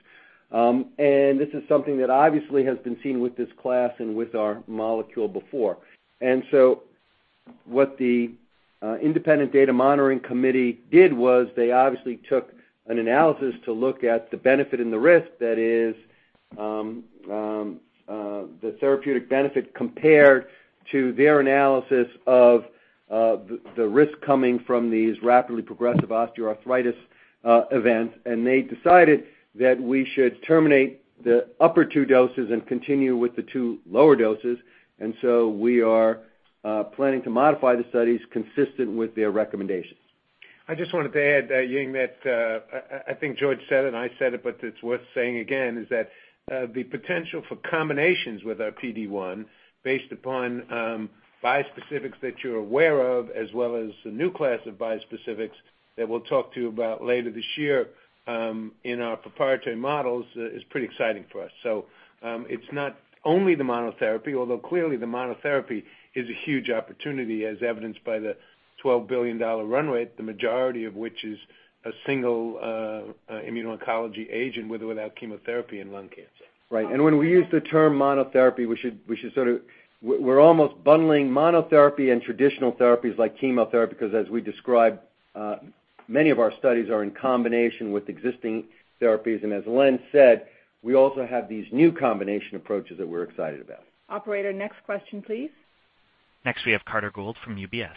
This is something that obviously has been seen with this class and with our molecule before. What the independent data monitoring committee did was they obviously took an analysis to look at the benefit and the risk, that is the therapeutic benefit compared to their analysis of the risk coming from these rapidly progressive osteoarthritis events. They decided that we should terminate the upper two doses and continue with the two lower doses. We are planning to modify the studies consistent with their recommendations.
I just wanted to add, Ying, that I think George said it and I said it, but it's worth saying again, is that the potential for combinations with our PD-1, based upon bispecifics that you're aware of, as well as the new class of bispecifics that we'll talk to you about later this year in our proprietary models, is pretty exciting for us. It's not only the monotherapy, although clearly the monotherapy is a huge opportunity as evidenced by the $12 billion run rate, the majority of which is a single immuno-oncology agent with or without chemotherapy in lung cancer.
Right. When we use the term monotherapy, we're almost bundling monotherapy and traditional therapies like chemotherapy, because as we described, many of our studies are in combination with existing therapies. As Len said, we also have these new combination approaches that we're excited about.
Operator, next question, please.
Next, we have Carter Gould from UBS.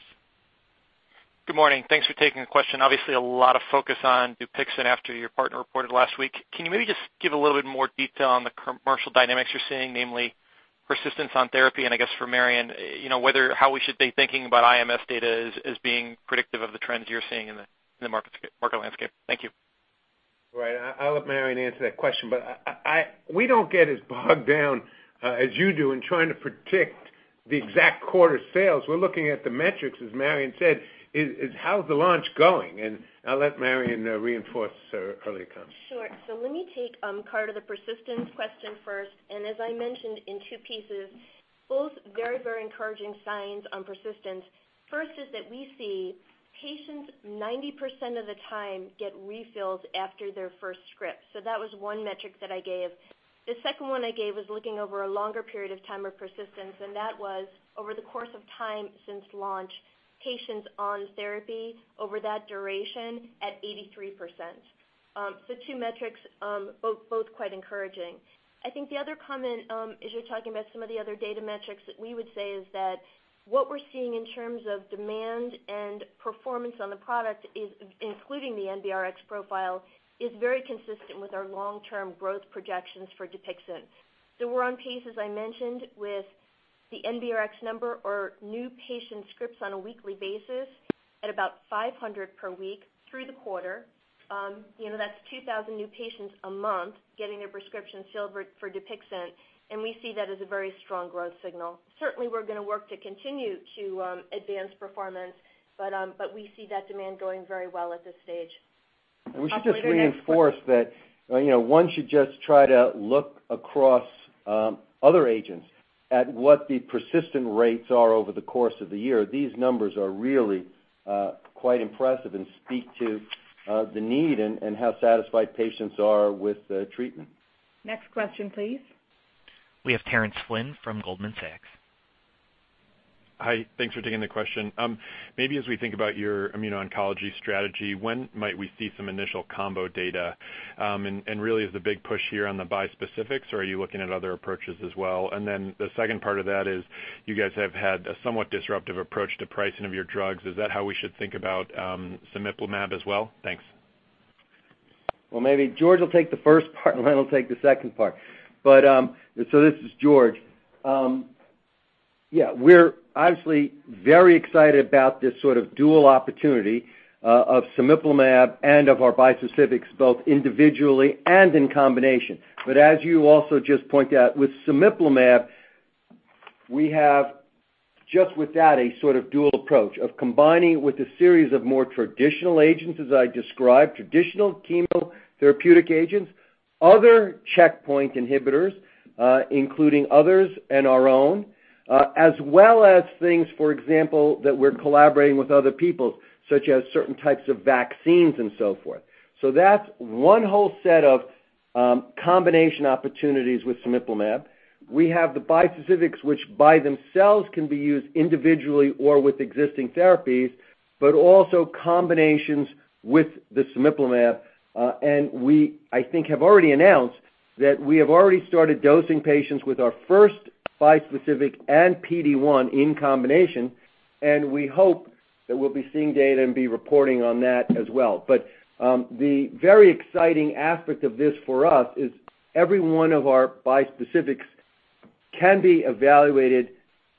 Good morning. Thanks for taking the question. A lot of focus on DUPIXENT after your partner reported last week. Can you maybe just give a little bit more detail on the commercial dynamics you're seeing, namely persistence on therapy, and I guess for Marion, how we should be thinking about IMS data as being predictive of the trends you're seeing in the market landscape? Thank you.
I'll let Marion answer that question, but we don't get as bogged down as you do in trying to predict the exact quarter sales. We're looking at the metrics, as Marion said, is how's the launch going? I'll let Marion reinforce her earlier comments.
Sure. Let me take, Carter, the persistence question first, and as I mentioned in two pieces, both very encouraging signs on persistence. First is that we see patients 90% of the time get refills after their first script. That was one metric that I gave. The second one I gave was looking over a longer period of time of persistence, and that was over the course of time since launch, patients on therapy over that duration at 83%. Two metrics, both quite encouraging. I think the other comment as you're talking about some of the other data metrics that we would say is that what we're seeing in terms of demand and performance on the product, including the NBRx profile, is very consistent with our long-term growth projections for DUPIXENT. We're on pace, as I mentioned, with the NBRx number or new patient scripts on a weekly basis at about 500 per week through the quarter. That's 2,000 new patients a month getting a prescription filled for DUPIXENT, and we see that as a very strong growth signal. Certainly, we're going to work to continue to advance performance, but we see that demand going very well at this stage.
We should just reinforce that one should just try to look across other agents at what the persistent rates are over the course of the year. These numbers are really quite impressive and speak to the need and how satisfied patients are with the treatment.
Next question, please.
We have Terence Flynn from Goldman Sachs.
Hi. Thanks for taking the question. Maybe as we think about your immuno-oncology strategy, when might we see some initial combo data? Really is the big push here on the bispecifics or are you looking at other approaches as well? The second part of that is you guys have had a somewhat disruptive approach to pricing of your drugs. Is that how we should think about cemiplimab as well? Thanks.
Well, maybe George will take the first part, and Len will take the second part. This is George. Yeah. We're obviously very excited about this sort of dual opportunity of cemiplimab and of our bispecifics, both individually and in combination. As you also just point out, with cemiplimab, we have just with that a sort of dual approach of combining with a series of more traditional agents as I described, traditional chemotherapeutic agents, other checkpoint inhibitors including others and our own, as well as things, for example, that we're collaborating with other people, such as certain types of vaccines and so forth. That's one whole set of combination opportunities with cemiplimab. We have the bispecifics, which by themselves can be used individually or with existing therapies, but also combinations with the cemiplimab. We, I think, have already announced that we have already started dosing patients with our first bispecific and PD-1 in combination, and we hope that we'll be seeing data and be reporting on that as well. The very exciting aspect of this for us is every one of our bispecifics can be evaluated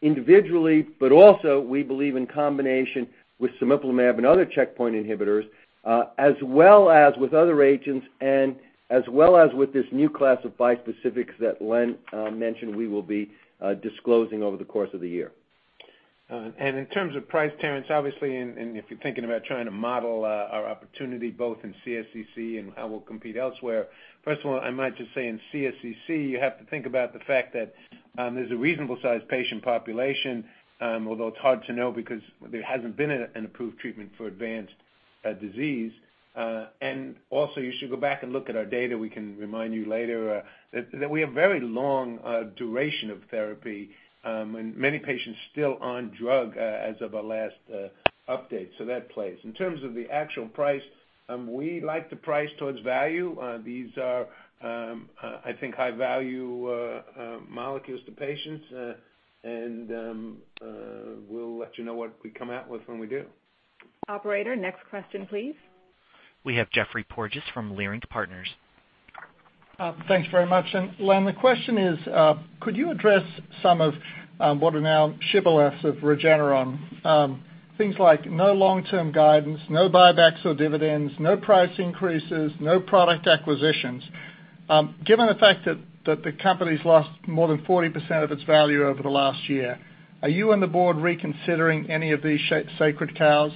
individually, but also we believe in combination with cemiplimab and other checkpoint inhibitors, as well as with other agents and as well as with this new class of bispecifics that Len mentioned we will be disclosing over the course of the year.
In terms of price, Terence, obviously, if you're thinking about trying to model our opportunity both in CSCC and how we'll compete elsewhere, first of all, I might just say in CSCC, you have to think about the fact that there's a reasonable-sized patient population, although it's hard to know because there hasn't been an approved treatment for advanced disease. You should go back and look at our data, we can remind you later, that we have very long duration of therapy, and many patients still on drug as of our last update. That plays. In terms of the actual price, we like to price towards value. These are I think high-value molecules to patients, and we'll let you know what we come out with when we do.
Operator, next question, please.
We have Geoffrey Porges from Leerink Partners.
Thanks very much. Len, the question is, could you address some of what are now shibboleths of Regeneron? Things like no long-term guidance, no buybacks or dividends, no price increases, no product acquisitions. Given the fact that the company's lost more than 40% of its value over the last year, are you and the board reconsidering any of these sacred cows?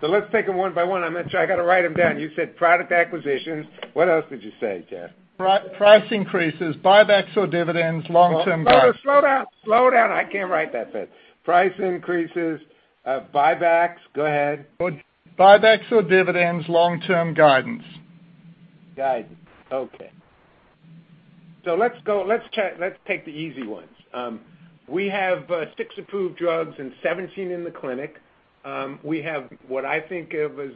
Let's take them one by one. I'm not sure, I got to write them down. You said product acquisitions. What else did you say, Jeff?
Price increases, buybacks or dividends, long-term guidance.
Slow down. Slow down. I can't write that fast. Price increases, buybacks. Go ahead.
Buybacks or dividends, long-term guidance.
Guidance. Okay. Let's take the easy ones. We have six approved drugs and 17 in the clinic. We have what I think of as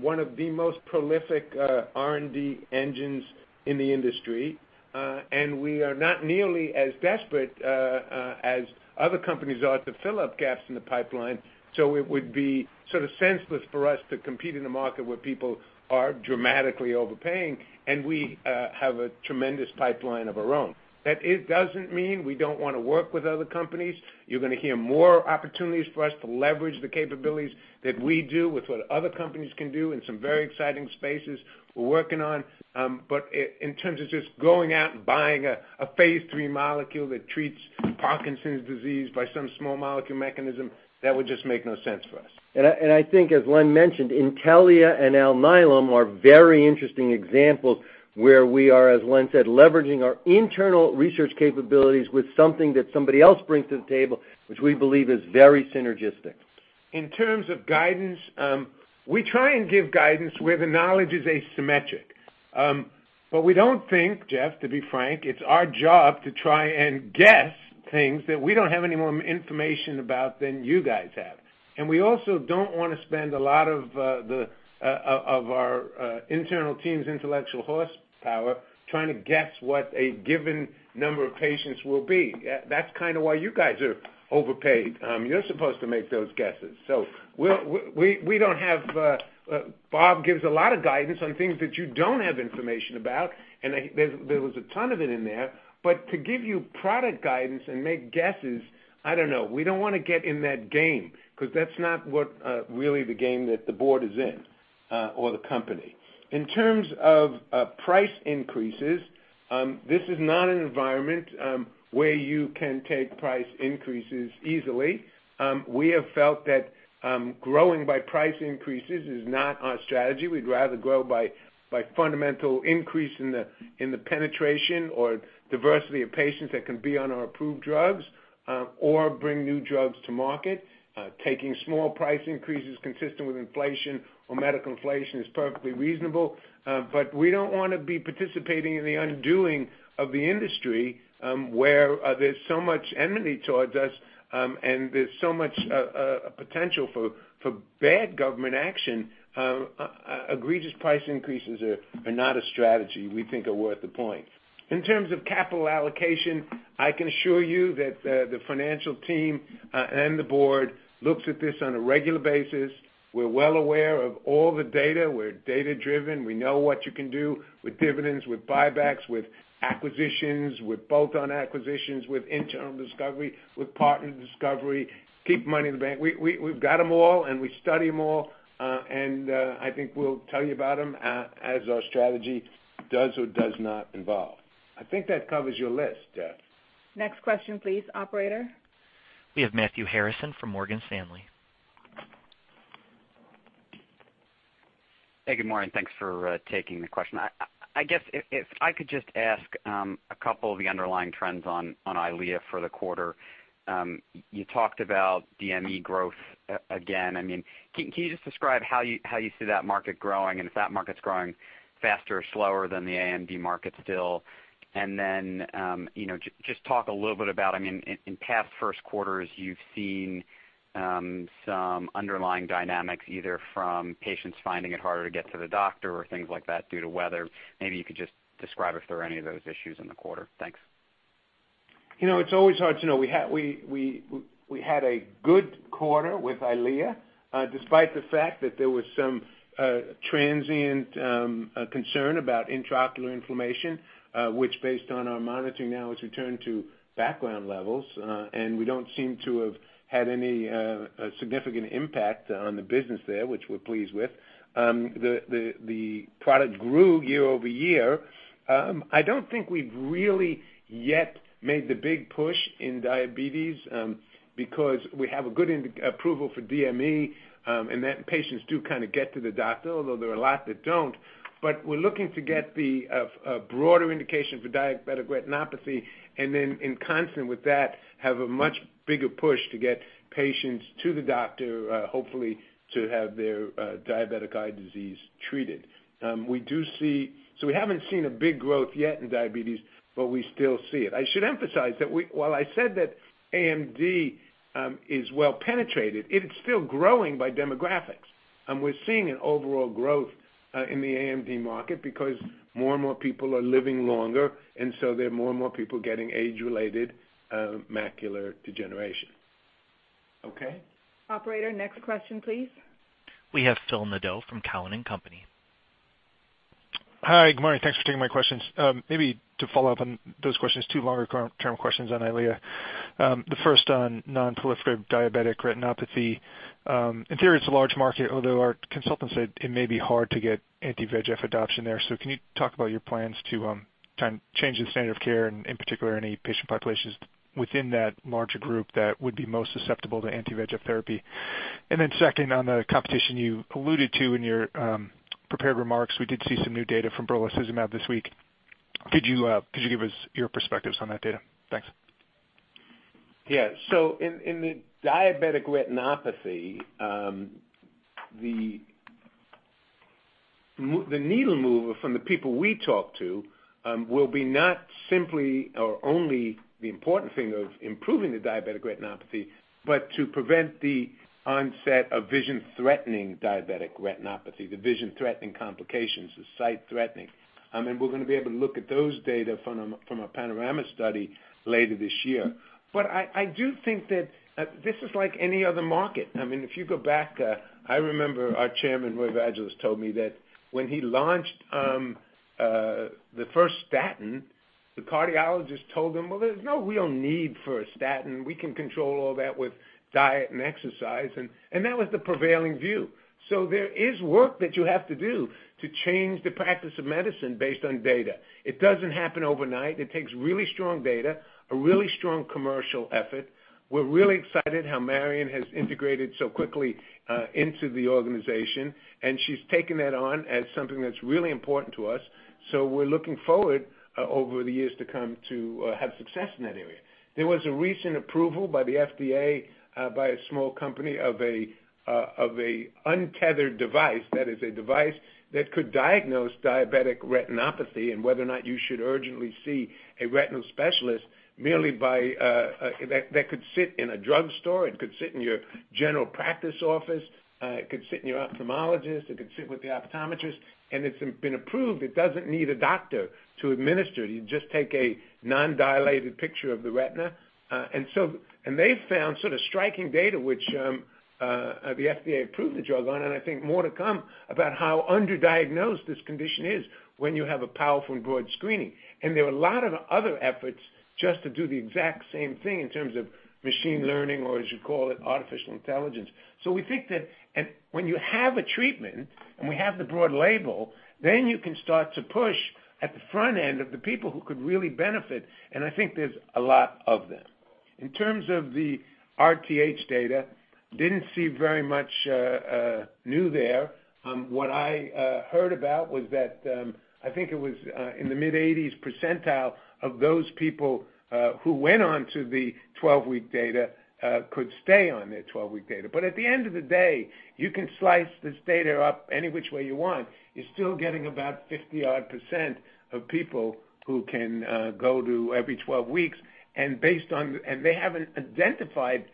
one of the most prolific R&D engines in the industry. We are not nearly as desperate as other companies are to fill up gaps in the pipeline, so it would be sort of senseless for us to compete in a market where people are dramatically overpaying, and we have a tremendous pipeline of our own. That it doesn't mean we don't want to work with other companies. You're going to hear more opportunities for us to leverage the capabilities that we do with what other companies can do in some very exciting spaces we're working on. In terms of just going out and buying a phase III molecule that treats Parkinson's disease by some small molecule mechanism, that would just make no sense for us.
I think as Len mentioned, Intellia and Alnylam are very interesting examples where we are, as Len said, leveraging our internal research capabilities with something that somebody else brings to the table, which we believe is very synergistic.
In terms of guidance, we try and give guidance where the knowledge is asymmetric. We don't think, Jeff, to be frank, it's our job to try and guess things that we don't have any more information about than you guys have. We also don't want to spend a lot of our internal team's intellectual horsepower trying to guess what a given number of patients will be. That's kind of why you guys are overpaid. You're supposed to make those guesses. We don't have Bob gives a lot of guidance on things that you don't have information about, and there was a ton of it in there. To give you product guidance and make guesses, I don't know. We don't want to get in that game because that's not what really the game that the board is in or the company. In terms of price increases, this is not an an environment where you can take price increases easily. We have felt that growing by price increases is not our strategy. We'd rather grow by fundamental increase in the penetration or diversity of patients that can be on our approved drugs or bring new drugs to market. Taking small price increases consistent with inflation or medical inflation is perfectly reasonable. We don't want to be participating in the undoing of the industry, where there's so much enmity towards us, and there's so much potential for bad government action. Egregious price increases are not a strategy we think are worth the point. In terms of capital allocation, I can assure you that the financial team and the board looks at this on a regular basis. We're well aware of all the data. We're data-driven. We know what you can do with dividends, with buybacks, with acquisitions, with bolt-on acquisitions, with internal discovery, with partner discovery. Keep money in the bank. We've got them all, and we study them all. I think we'll tell you about them as our strategy does or does not involve. I think that covers your list, Geoff.
Next question please, operator.
We have Matthew Harrison from Morgan Stanley.
Hey, good morning. Thanks for taking the question. I guess, if I could just ask a couple of the underlying trends on EYLEA for the quarter. You talked about DME growth again. Can you just describe how you see that market growing and if that market's growing faster or slower than the AMD market still? Then just talk a little bit about, in past first quarters you've seen some underlying dynamics, either from patients finding it harder to get to the doctor or things like that due to weather. Maybe you could just describe if there are any of those issues in the quarter. Thanks.
It's always hard to know. We had a good quarter with EYLEA, despite the fact that there was some transient concern about intraocular inflammation, which based on our monitoring now has returned to background levels. We don't seem to have had any significant impact on the business there, which we're pleased with. The product grew year-over-year. I don't think we've really yet made the big push in diabetes, because we have a good approval for DME, and that patients do kind of get to the doctor, although there are a lot that don't. We're looking to get the broader indication for diabetic retinopathy and then in concert with that, have a much bigger push to get patients to the doctor, hopefully to have their diabetic eye disease treated. We haven't seen a big growth yet in diabetes, but we still see it. I should emphasize that while I said that AMD is well penetrated, it is still growing by demographics. We're seeing an overall growth in the AMD market because more and more people are living longer, there are more and more people getting age-related macular degeneration. Okay?
Operator, next question, please.
We have Philip Nadeau from Cowen and Company.
Hi, good morning. Thanks for taking my questions. Maybe to follow up on those questions, two longer term questions on EYLEA. The first on non-proliferative diabetic retinopathy. In theory, it's a large market, although our consultants said it may be hard to get anti-VEGF adoption there. Can you talk about your plans to change the standard of care and in particular any patient populations within that larger group that would be most susceptible to anti-VEGF therapy? Second, on the competition you alluded to in your prepared remarks, we did see some new data from brolucizumab this week. Could you give us your perspectives on that data? Thanks.
Yeah. In the diabetic retinopathy, the needle mover from the people we talk to will be not simply or only the important thing of improving the diabetic retinopathy, but to prevent the onset of vision-threatening diabetic retinopathy, the vision-threatening complications, the sight-threatening. We're going to be able to look at those data from a PANORAMA study later this year. I do think that this is like any other market. If you go back, I remember our chairman, Roy Vagelos, told me that when he launched the first statin, the cardiologist told him, "Well, there's no real need for a statin. We can control all that with diet and exercise." That was the prevailing view. There is work that you have to do to change the practice of medicine based on data. It doesn't happen overnight. It takes really strong data, a really strong commercial effort. We're really excited how Marion has integrated so quickly into the organization, and she's taken that on as something that's really important to us. We're looking forward over the years to come to have success in that area. There was a recent approval by the FDA by a small company of an untethered device, that is a device that could diagnose diabetic retinopathy and whether or not you should urgently see a retinal specialist merely by that could sit in a drug store, it could sit in your general practice office, it could sit in your ophthalmologist, it could sit with the optometrist, and it's been approved. It doesn't need a doctor to administer it. You just take a non-dilated picture of the retina. They've found sort of striking data, which the FDA approved the drug on, and I think more to come about how underdiagnosed this condition is when you have a powerful and broad screening. There are a lot of other efforts just to do the exact same thing in terms of machine learning, or as you call it, artificial intelligence. We think that when you have a treatment, and we have the broad label, then you can start to push at the front end of the people who could really benefit, and I think there's a lot of them. In terms of the RTH data, didn't see very much new there. What I heard about was that, I think it was in the mid-80s percentile of those people who went on to the 12-week data could stay on their 12-week data. At the end of the day, you can slice this data up any which way you want. You're still getting about 50-odd% of people who can go to every 12 weeks, and they haven't identified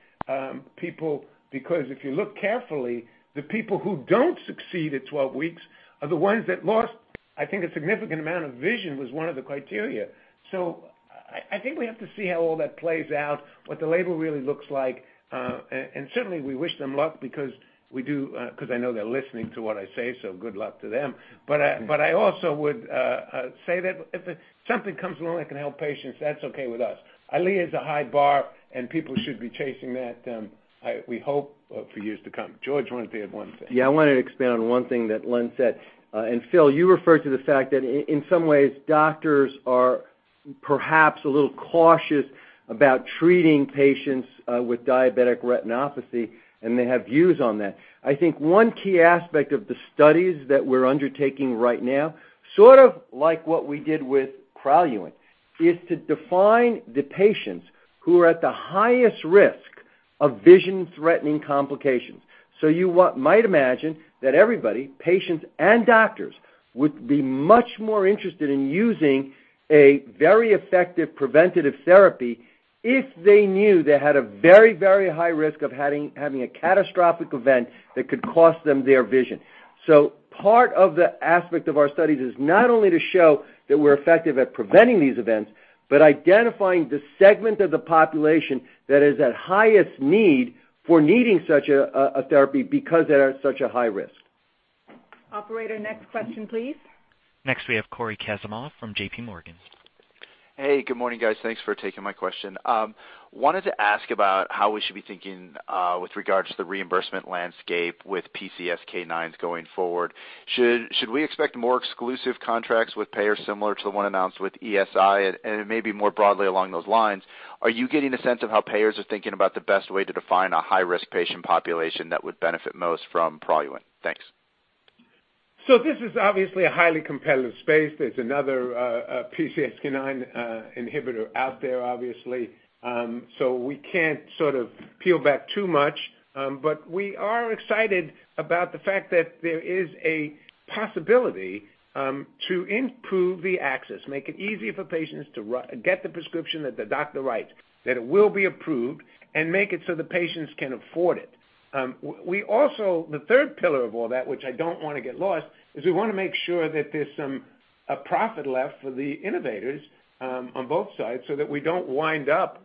people, because if you look carefully, the people who don't succeed at 12 weeks are the ones that lost, I think, a significant amount of vision was one of the criteria. I think we have to see how all that plays out, what the label really looks like. Certainly, we wish them luck because I know they're listening to what I say, good luck to them. I also would say that if something comes along that can help patients, that's okay with us. EYLEA is a high bar, and people should be chasing that, we hope, for years to come. George wanted to add one thing.
I wanted to expand on one thing that Len said. Phil, you referred to the fact that in some ways, doctors are perhaps a little cautious about treating patients with diabetic retinopathy, and they have views on that. I think one key aspect of the studies that we're undertaking right now, sort of like what we did with PRALUENT, is to define the patients who are at the highest risk of vision-threatening complications. You might imagine that everybody, patients and doctors, would be much more interested in using a very effective preventative therapy if they knew they had a very high risk of having a catastrophic event that could cost them their vision. Part of the aspect of our studies is not only to show that we're effective at preventing these events, but identifying the segment of the population that is at highest need for needing such a therapy because they're at such a high risk.
Operator, next question, please.
Next we have Cory Kasimov from JPMorgan.
Hey, good morning, guys. Thanks for taking my question. Wanted to ask about how we should be thinking with regards to the reimbursement landscape with PCSK9s going forward. Should we expect more exclusive contracts with payers similar to the one announced with ESI? Maybe more broadly along those lines, are you getting a sense of how payers are thinking about the best way to define a high-risk patient population that would benefit most from PRALUENT? Thanks.
This is obviously a highly competitive space. There's another PCSK9 inhibitor out there, obviously. We can't sort of peel back too much. We are excited about the fact that there is a possibility to improve the access, make it easier for patients to get the prescription that the doctor writes, that it will be approved, and make it so the patients can afford it. The third pillar of all that, which I don't want to get lost, is we want to make sure that there's a profit left for the innovators on both sides so that we don't wind up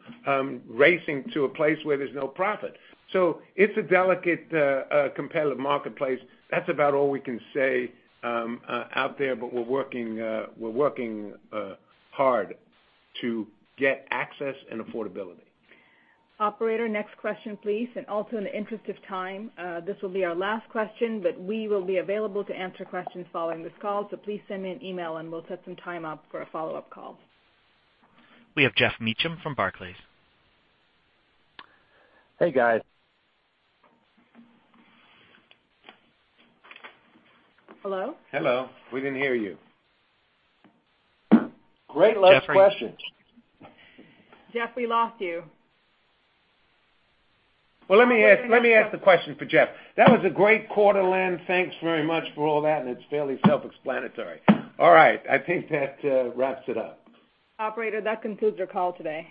racing to a place where there's no profit. It's a delicate, competitive marketplace. That's about all we can say out there, but we're working hard to get access and affordability.
Operator, next question, please. Also in the interest of time, this will be our last question, but we will be available to answer questions following this call, so please send me an email, and we'll set some time up for a follow-up call.
We have Geoffrey Meacham from Barclays.
Hey, guys.
Hello?
Hello. We didn't hear you. Great last question.
Jeff, we lost you.
Well, let me ask the question for Jeff. That was a great quarter, Len. Thanks very much for all that. It's fairly self-explanatory. All right, I think that wraps it up.
Operator, that concludes our call today.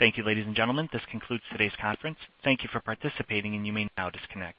Thank you, ladies and gentlemen. This concludes today's conference. Thank you for participating. You may now disconnect.